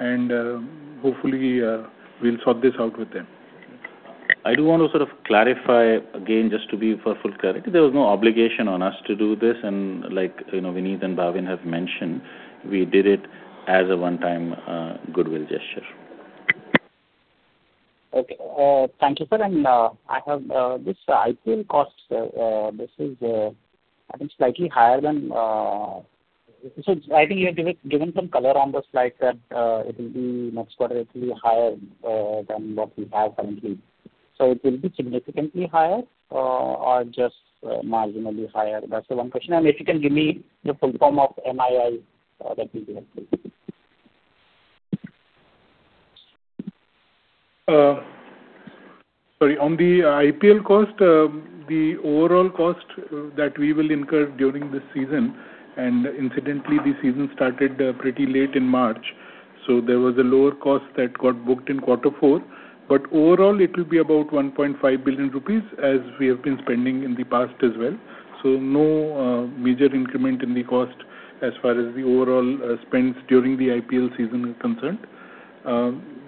and hopefully, we'll sort this out with them. I do want to sort of clarify again, just to be for full clarity, there was no obligation on us to do this, and like Vineet and Bhavin have mentioned, we did it as a one-time goodwill gesture. Okay. Thank you, sir. I have this IPL costs. This is, I think, slightly higher. I think you have given some color on the slide that it will be next quarter, it will be higher than what we have currently. It will be significantly higher or just marginally higher? That's the one question. If you can give me the full form of MII, that will be helpful. Sorry. On the IPL cost, the overall cost that we will incur during this season, and incidentally, the season started pretty late in March, so there was a lower cost that got booked in quarter four. Overall, it will be about 1.5 billion rupees as we have been spending in the past as well. No major increment in the cost as far as the overall spends during the IPL season is concerned.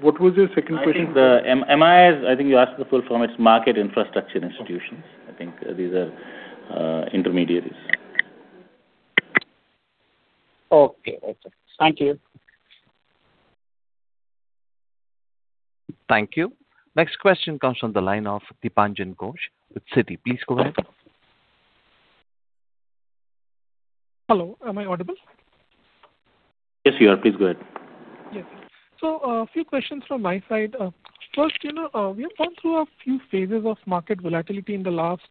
What was your second question? I think the MII. I think you asked the full form. It's Market Infrastructure Institutions. I think these are intermediaries. Okay. Thank you. Thank you. Next question comes from the line of Dipanjan Ghosh with Citi. Please go ahead. Hello? Am I audible? Yes, you are. Please go ahead. Yes. A few questions from my side. First, we have gone through a few phases of market volatility in the last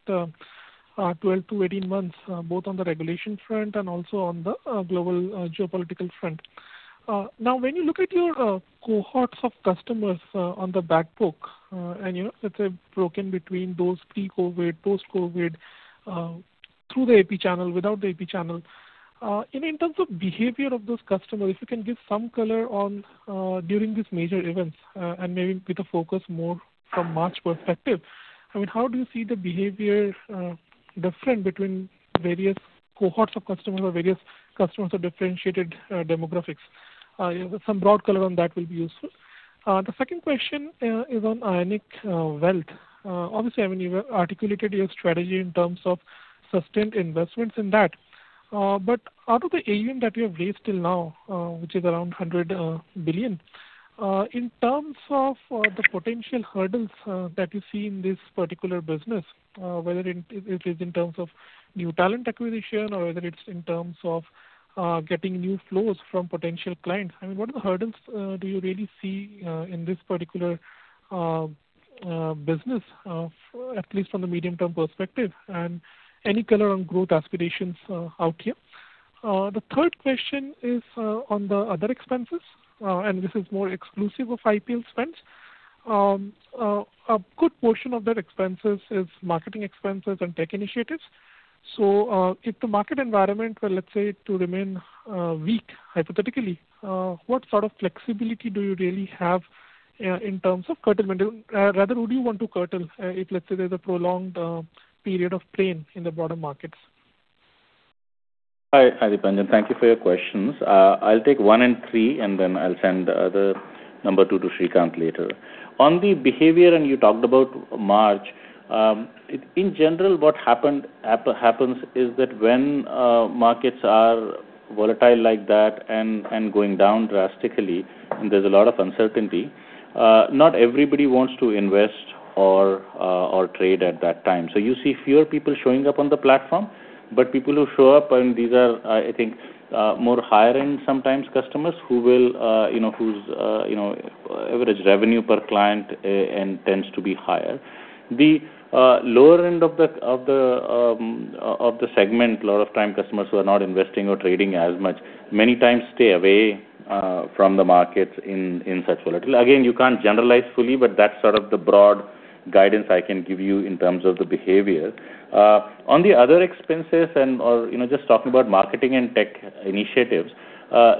12-18 months, both on the regulation front and also on the global geopolitical front. Now, when you look at your cohorts of customers on the back book, and let's say broken between those pre-COVID, post-COVID, through the AP channel, without the AP channel. In terms of behavior of those customers, if you can give some color on during these major events, and maybe with a focus more from March perspective. How do you see the behavior different between various cohorts of customers or various customers or differentiated demographics? Some broad color on that will be useful. The second question is on Ionic Wealth. Obviously, you've articulated your strategy in terms of sustained investments in that. Out of the AUM that you have raised till now, which is around 100 billion. In terms of the potential hurdles that you see in this particular business, whether it is in terms of new talent acquisition or whether it's in terms of getting new flows from potential clients. What hurdles do you really see in this particular business, at least from the medium-term perspective? Any color on growth aspirations out here? The third question is on the other expenses, and this is more exclusive of IPL spends. A good portion of their expenses is marketing expenses and tech initiatives. If the market environment were, let's say, to remain weak, hypothetically, what sort of flexibility do you really have in terms of curtailment? Rather, would you want to curtail if, let's say, there's a prolonged period of pain in the broader markets? Hi, Dipanjan. Thank you for your questions. I'll take one and three, and then I'll send the other number two to Srikanth later. On the behavior, and you talked about March. In general, what happens is that when markets are volatile like that and going down drastically, and there's a lot of uncertainty, not everybody wants to invest or trade at that time. You see fewer people showing up on the platform, but people who show up, and these are, I think, more higher end, sometimes customers whose average revenue per client tends to be higher. The lower end of the segment, a lot of time customers who are not investing or trading as much, many times stay away from the markets in such volatility. Again, you can't generalize fully, but that's sort of the broad guidance I can give you in terms of the behavior. On the other expenses and, just talking about marketing and tech initiatives.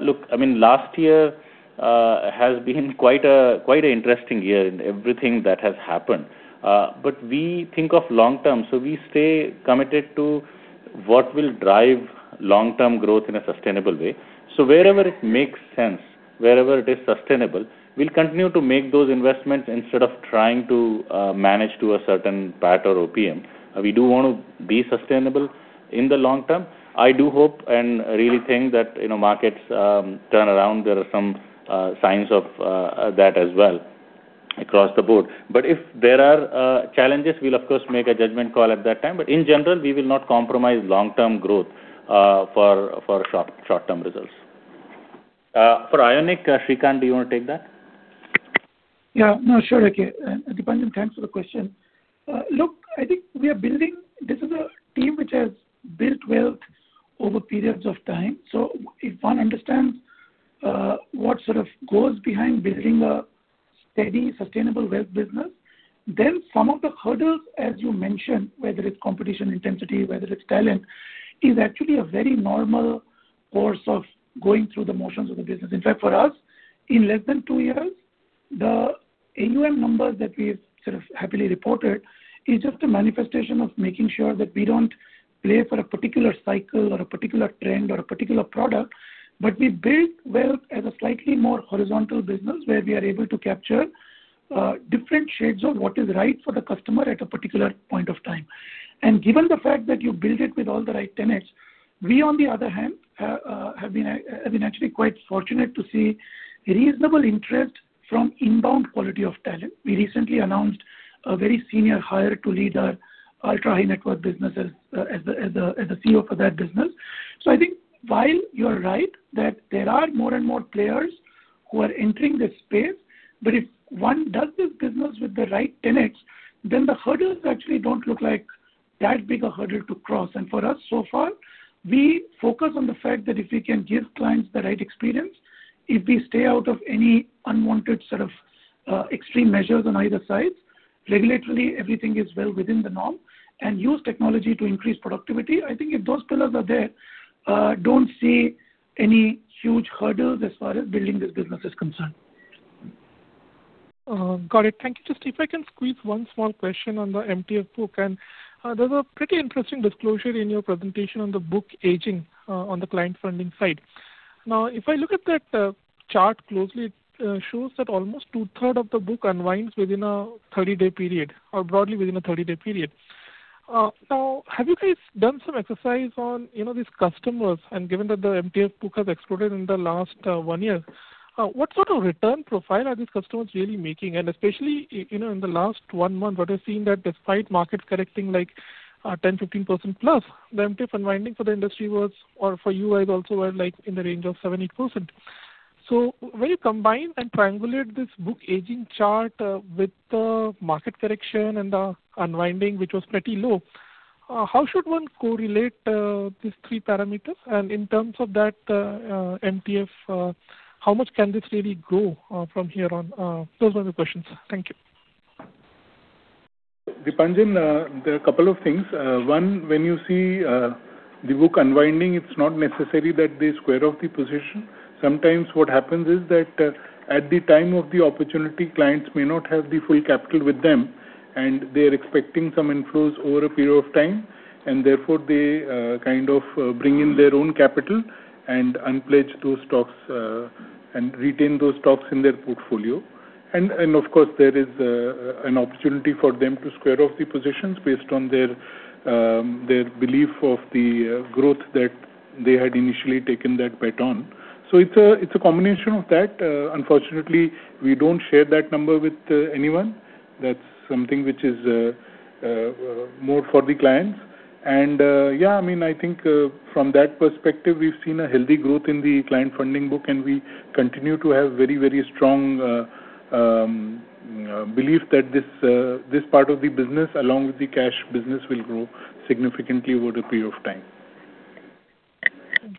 Look, last year has been quite an interesting year in everything that has happened. We think of long-term, so we stay committed to what will drive long-term growth in a sustainable way. Wherever it makes sense, wherever it is sustainable, we'll continue to make those investments instead of trying to manage to a certain PAT or OPM. We do want to be sustainable in the long term. I do hope and really think that markets turn around. There are some signs of that as well across the board. If there are challenges, we'll of course make a judgment call at that time. In general, we will not compromise long-term growth for short-term results. For Ionic, Srikanth, do you want to take that? Yeah. No, sure, AK. Dipanjan, thanks for the question. Look, I think this is a team which has built wealth over periods of time. If one understands what sort of goes behind building a steady, sustainable wealth business, then some of the hurdles, as you mentioned, whether it's competition intensity, whether it's talent, is actually a very normal course of going through the motions of the business. In fact, for us, in less than two years, the AUM numbers that we've sort of happily reported is just a manifestation of making sure that we don't play for a particular cycle or a particular trend or a particular product, but we build wealth as a slightly more horizontal business where we are able to capture different shades of what is right for the customer at a particular point of time. Given the fact that you build it with all the right tenets, we on the other hand have been actually quite fortunate to see reasonable interest from inbound quality of talent. We recently announced a very senior hire to lead our ultra-high-net-worth business as the CEO for that business. I think while you're right, that there are more and more players who are entering this space, but if one does this business with the right tenets, then the hurdles actually don't look like that big a hurdle to cross. For us so far, we focus on the fact that if we can give clients the right experience, if we stay out of any unwanted sort of extreme measures on either side, regulatory, everything is well within the norm, and use technology to increase productivity. I think if those pillars are there, I don't see any huge hurdles as far as building this business is concerned. Got it. Thank you. Just see if I can squeeze one small question on the MTF book. There's a pretty interesting disclosure in your presentation on the book aging on the client funding side. Now, if I look at that chart closely, it shows that almost two-thirds of the book unwinds within a 30-day period, or broadly within a 30-day period. Now, have you guys done some exercise on these customers, and given that the MTF book has exploded in the last one year, what sort of return profile are these customers really making? Especially, in the last one month, what I've seen that despite market correcting 10%-15% plus, the MTF unwinding for the industry was for you guys also was in the range of 7%-8%. When you combine and triangulate this book aging chart with the market correction and the unwinding, which was pretty low, how should one correlate these three parameters? In terms of that MTF, how much can this really grow from here on? Those are the questions. Thank you. Dipanjan, there are a couple of things. One, when you see the book unwinding, it's not necessary that they square off the position. Sometimes what happens is that at the time of the opportunity, clients may not have the full capital with them, and they're expecting some inflows over a period of time, and therefore they kind of bring in their own capital and unpledge those stocks and retain those stocks in their portfolio. Of course, there is an opportunity for them to square off the positions based on their belief of the growth that they had initially taken that bet on. It's a combination of that. Unfortunately, we don't share that number with anyone. That's something which is more for the clients. Yeah, I think from that perspective, we've seen a healthy growth in the client funding book, and we continue to have very strong belief that this part of the business, along with the cash business, will grow significantly over a period of time.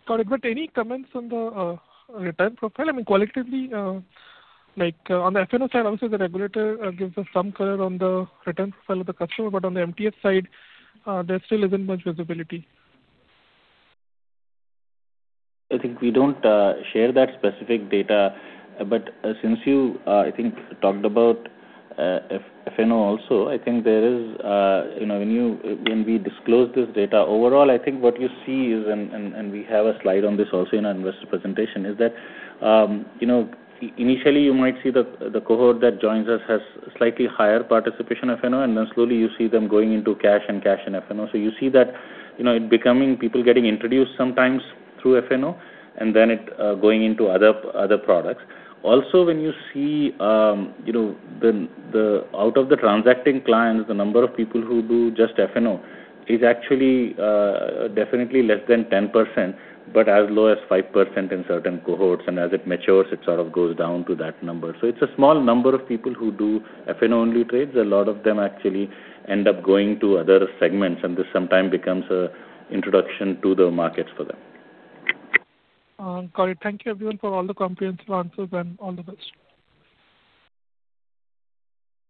Got it. Any comments on the return profile? I mean, qualitatively, like on the F&O side also, the regulator gives us some color on the return profile of the customer. On the MTF side, there still isn't much visibility. I think we don't share that specific data. Since you, I think, talked about F&O also, when we disclose this data, overall, I think what you see is, and we have a slide on this also in our investor presentation, is that initially you might see the cohort that joins us has slightly higher participation F&O, and then slowly you see them going into cash and cash in F&O. You see that people getting introduced sometimes through F&O, and then going into other products. Also when you see out of the transacting clients, the number of people who do just F&O is actually definitely less than 10%, but as low as 5% in certain cohorts. As it matures, it sort of goes down to that number. It's a small number of people who do F&O-only trades. A lot of them actually end up going to other segments, and this sometimes becomes an introduction to the markets for them. Got it. Thank you everyone for all the comprehensive answers, and all the best.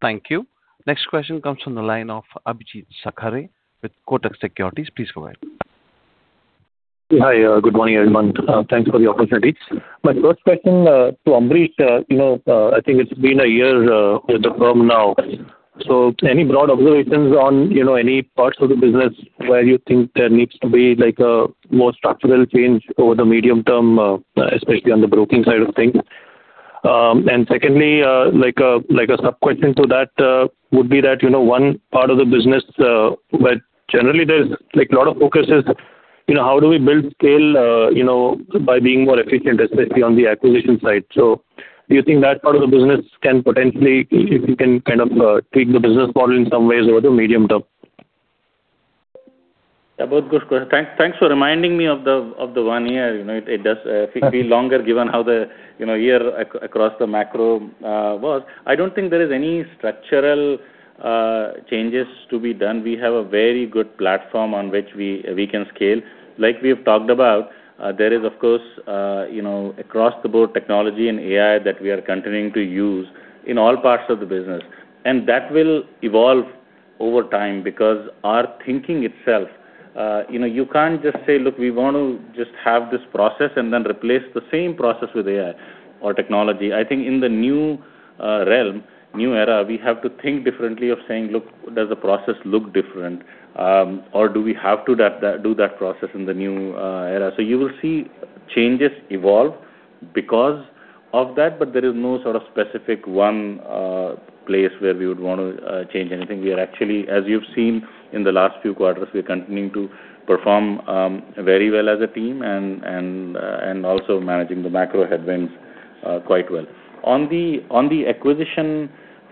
Thank you. Next question comes from the line of Abhijeet Sakhare with Kotak Securities. Please go ahead. Hi. Good morning, everyone. Thanks for the opportunity. My first question to Ambarish. I think it's been a year with the firm now. Any broad observations on any parts of the business where you think there needs to be a more structural change over the medium term, especially on the broking side of things? And secondly, like a sub-question to that would be that one part of the business where generally there's a lot of focus is how do we build scale by being more efficient, especially on the acquisition side. Do you think that part of the business can potentially, if we can kind of tweak the business model in some ways over the medium term? Yeah. Both good questions. Thanks for reminding me of the one year. It does feel longer given how the year across the macro was. I don't think there is any structural changes to be done. We have a very good platform on which we can scale. Like we have talked about, there is, of course, across the board, technology and AI that we are continuing to use in all parts of the business. And that will evolve over time because our thinking itself, you can't just say, "Look, we want to just have this process and then replace the same process with AI or technology." I think in the new realm, new era, we have to think differently of saying, "Look, does the process look different? Do we have to do that process in the new era?" You will see changes evolve because of that, but there is no sort of specific one place where we would want to change anything. We are actually, as you've seen in the last few quarters, we're continuing to perform very well as a team and also managing the macro headwinds quite well. On the acquisition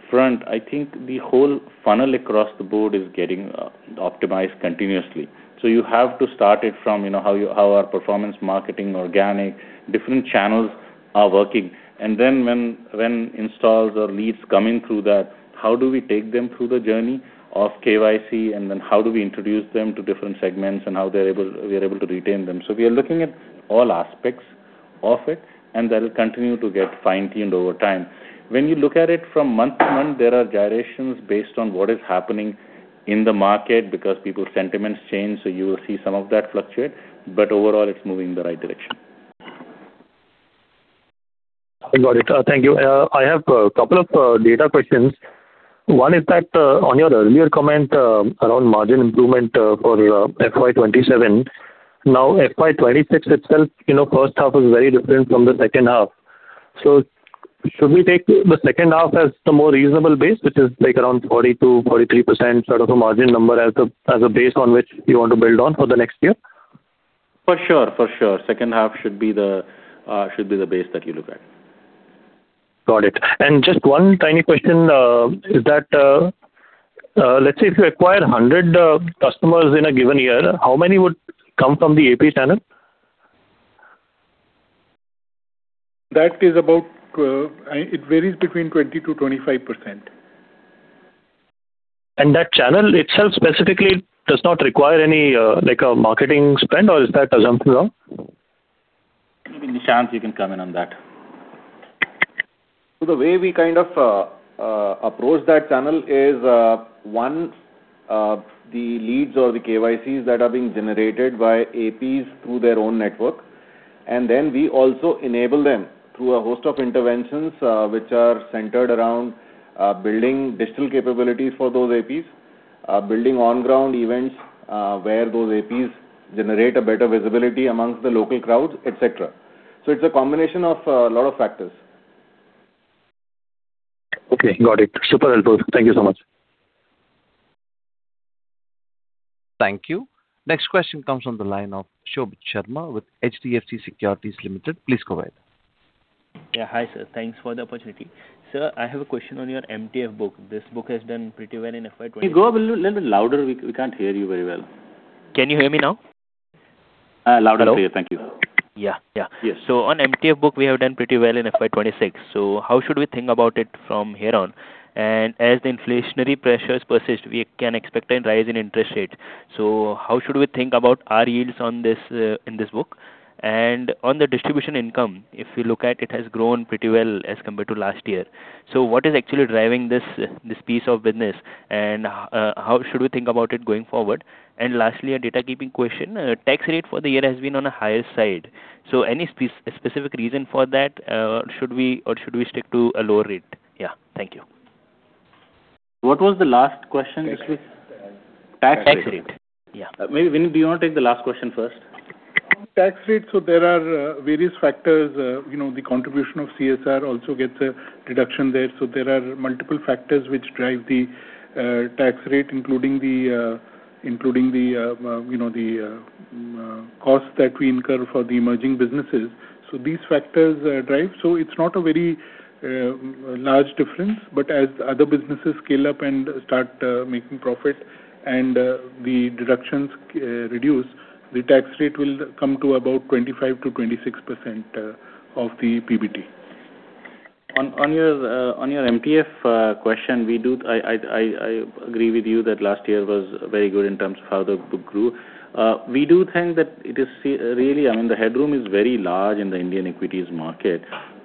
front, I think the whole funnel across the board is getting optimized continuously. You have to start it from how our performance marketing, organic, different channels are working. Then when installs or leads coming through that, how do we take them through the journey of KYC and then how do we introduce them to different segments and how we are able to retain them. We are looking at all aspects of it and that'll continue to get fine-tuned over time. When you look at it from month to month, there are gyrations based on what is happening in the market because people's sentiments change, so you will see some of that fluctuate. Overall, it's moving in the right direction. I got it. Thank you. I have a couple of data questions. One is that on your earlier comment around margin improvement for FY 2027, now FY 2026 itself, first half is very different from the second half. Should we take the second half as the more reasonable base, which is like around 42%-43% sort of a margin number as a base on which you want to build on for the next year? For sure. Second half should be the base that you look at. Got it. Just one tiny question is that, let's say if you acquire 100 customers in a given year, how many would come from the AP channel? That is about, it varies between 20%-25%. That channel itself specifically does not require any marketing spend or is that assumption wrong? Maybe Nishant, you can come in on that. The way we kind of approach that channel is, one, the leads or the KYCs that are being generated by APs through their own network, and then we also enable them through a host of interventions, which are centered around building digital capabilities for those APs, building on-ground events, where those APs generate a better visibility among the local crowds, et cetera. It's a combination of a lot of factors. Okay, got it. Super helpful. Thank you so much. Thank you. Next question comes from the line of Shobhit Sharma with HDFC Securities Limited. Please go ahead. Yeah. Hi, sir. Thanks for the opportunity. Sir, I have a question on your MTF book. This book has done pretty well in FY 2020. Can you go a little bit louder? We can't hear you very well. Can you hear me now? Louder and clear. Thank you. Yeah. Yes. On MTF book, we have done pretty well in FY 2026. How should we think about it from here on? As the inflationary pressures persist, we can expect a rise in interest rates. How should we think about our yields in this book? On the distribution income, if we look at it has grown pretty well as compared to last year. What is actually driving this piece of business, and how should we think about it going forward? Lastly, a housekeeping question. Tax rate for the year has been on a higher side. Any specific reason for that, or should we stick to a lower rate? Yeah. Thank you. What was the last question? Excuse me. Tax rate. Tax rate. Yeah. Vineet, do you want to take the last question first? On tax rate, there are various factors. The contribution of CSR also gets a deduction there. There are multiple factors which drive the tax rate, including the cost that we incur for the emerging businesses. These factors drive. It's not a very large difference, but as other businesses scale up and start making profit and the deductions reduce, the tax rate will come to about 25%-26% of the PBT. On your MTF question, I agree with you that last year was very good in terms of how the book grew. We do think that it is really, I mean, the headroom is very large in the Indian equities market,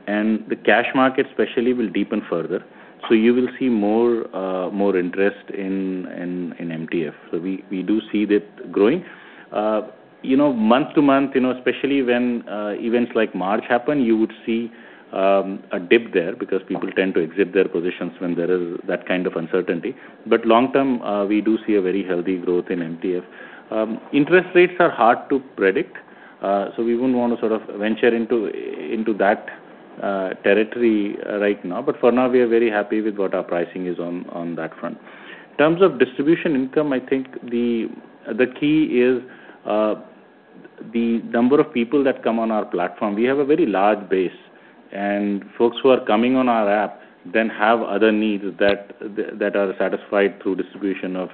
and the cash market especially will deepen further. You will see more interest in MTF. We do see that growing. Month to month, especially when events like March happen, you would see a dip there because people tend to exit their positions when there is that kind of uncertainty. Long-term, we do see a very healthy growth in MTF. Interest rates are hard to predict, so we wouldn't want to sort of venture into that territory right now. For now, we are very happy with what our pricing is on that front. In terms of distribution income, I think the key is. The number of people that come on our platform, we have a very large base, and folks who are coming on our app then have other needs that are satisfied through distribution of,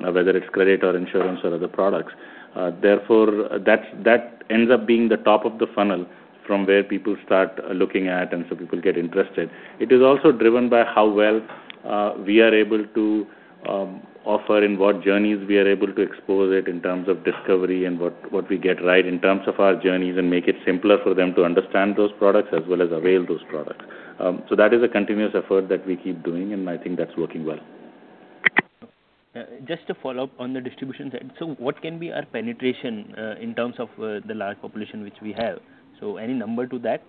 whether it's credit or insurance or other products. Therefore, that ends up being the top of the funnel from where people start looking at, and so people get interested. It is also driven by how well we are able to offer and what journeys we are able to expose it in terms of discovery and what we get right in terms of our journeys and make it simpler for them to understand those products as well as avail those products. That is a continuous effort that we keep doing, and I think that's working well. Just to follow up on the distribution side. What can be our penetration in terms of the large population which we have? Any number to that?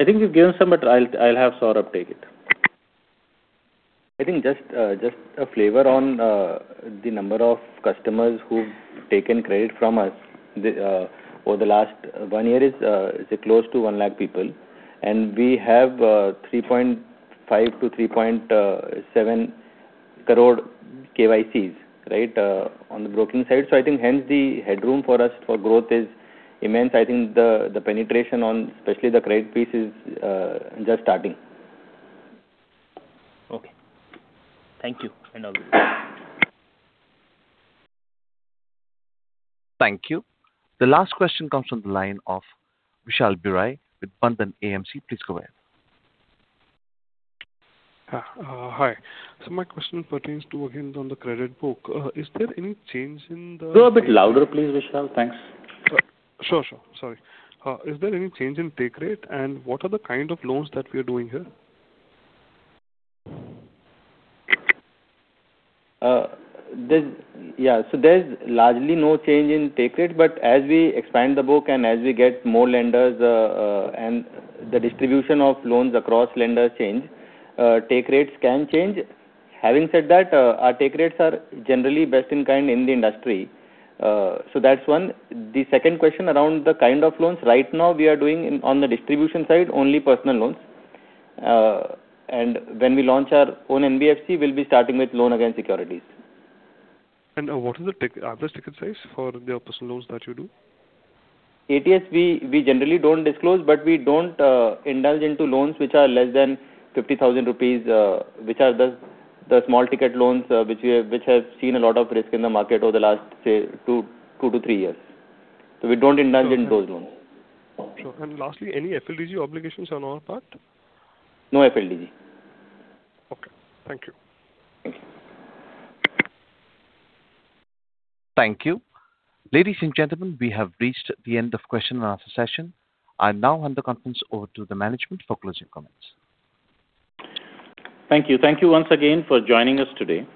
I think we've given some, but I'll have Saurabh take it. I think just a flavor on the number of customers who've taken credit from us over the last one year is close to 1 lakh people, and we have 3.5-3.7 crore KYCs on the broking side. I think hence the headroom for us for growth is immense. I think the penetration on, especially the credit piece is just starting. Okay. Thank you. And all. Thank you. The last question comes from the line of Vishal Biraia with Bandhan AMC. Please go ahead. Hi. My question pertains to a hint on the credit book. Is there any change in the- Go a bit louder, please, Vishal. Thanks. Sure. Sorry. Is there any change in take rate? What are the kind of loans that we are doing here? There's largely no change in take rate, but as we expand the book and as we get more lenders and the distribution of loans across lenders change, take rates can change. Having said that, our take rates are generally best in kind in the industry. That's one. The second question around the kind of loans. Right now, we are doing on the distribution side, only personal loans. When we launch our own NBFC, we'll be starting with loan-against-securities. What is the average ticket size for the personal loans that you do? ATS, we generally don't disclose, but we don't indulge into loans which are less than 50,000 rupees, which are the small-ticket loans which have seen a lot of risk in the market over the last, say, two to three years. We don't indulge in those loans. Sure. Lastly, any FLDG obligations on our part? No FLDG. Okay. Thank you. Thank you. Ladies and gentlemen, we have reached the end of question and answer session. I now hand the conference over to the management for closing comments. Thank you. Thank you once again for joining us today.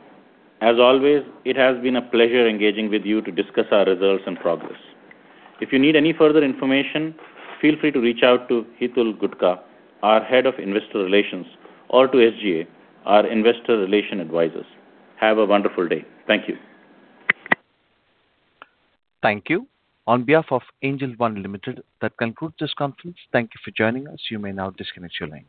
As always, it has been a pleasure engaging with you to discuss our results and progress. If you need any further information, feel free to reach out to Hitul Gutka, our Head of Investor Relations, or to SGA, our investor relations advisors. Have a wonderful day. Thank you. Thank you. On behalf of Angel One Limited, that concludes this conference. Thank you for joining us. You may now disconnect your lines.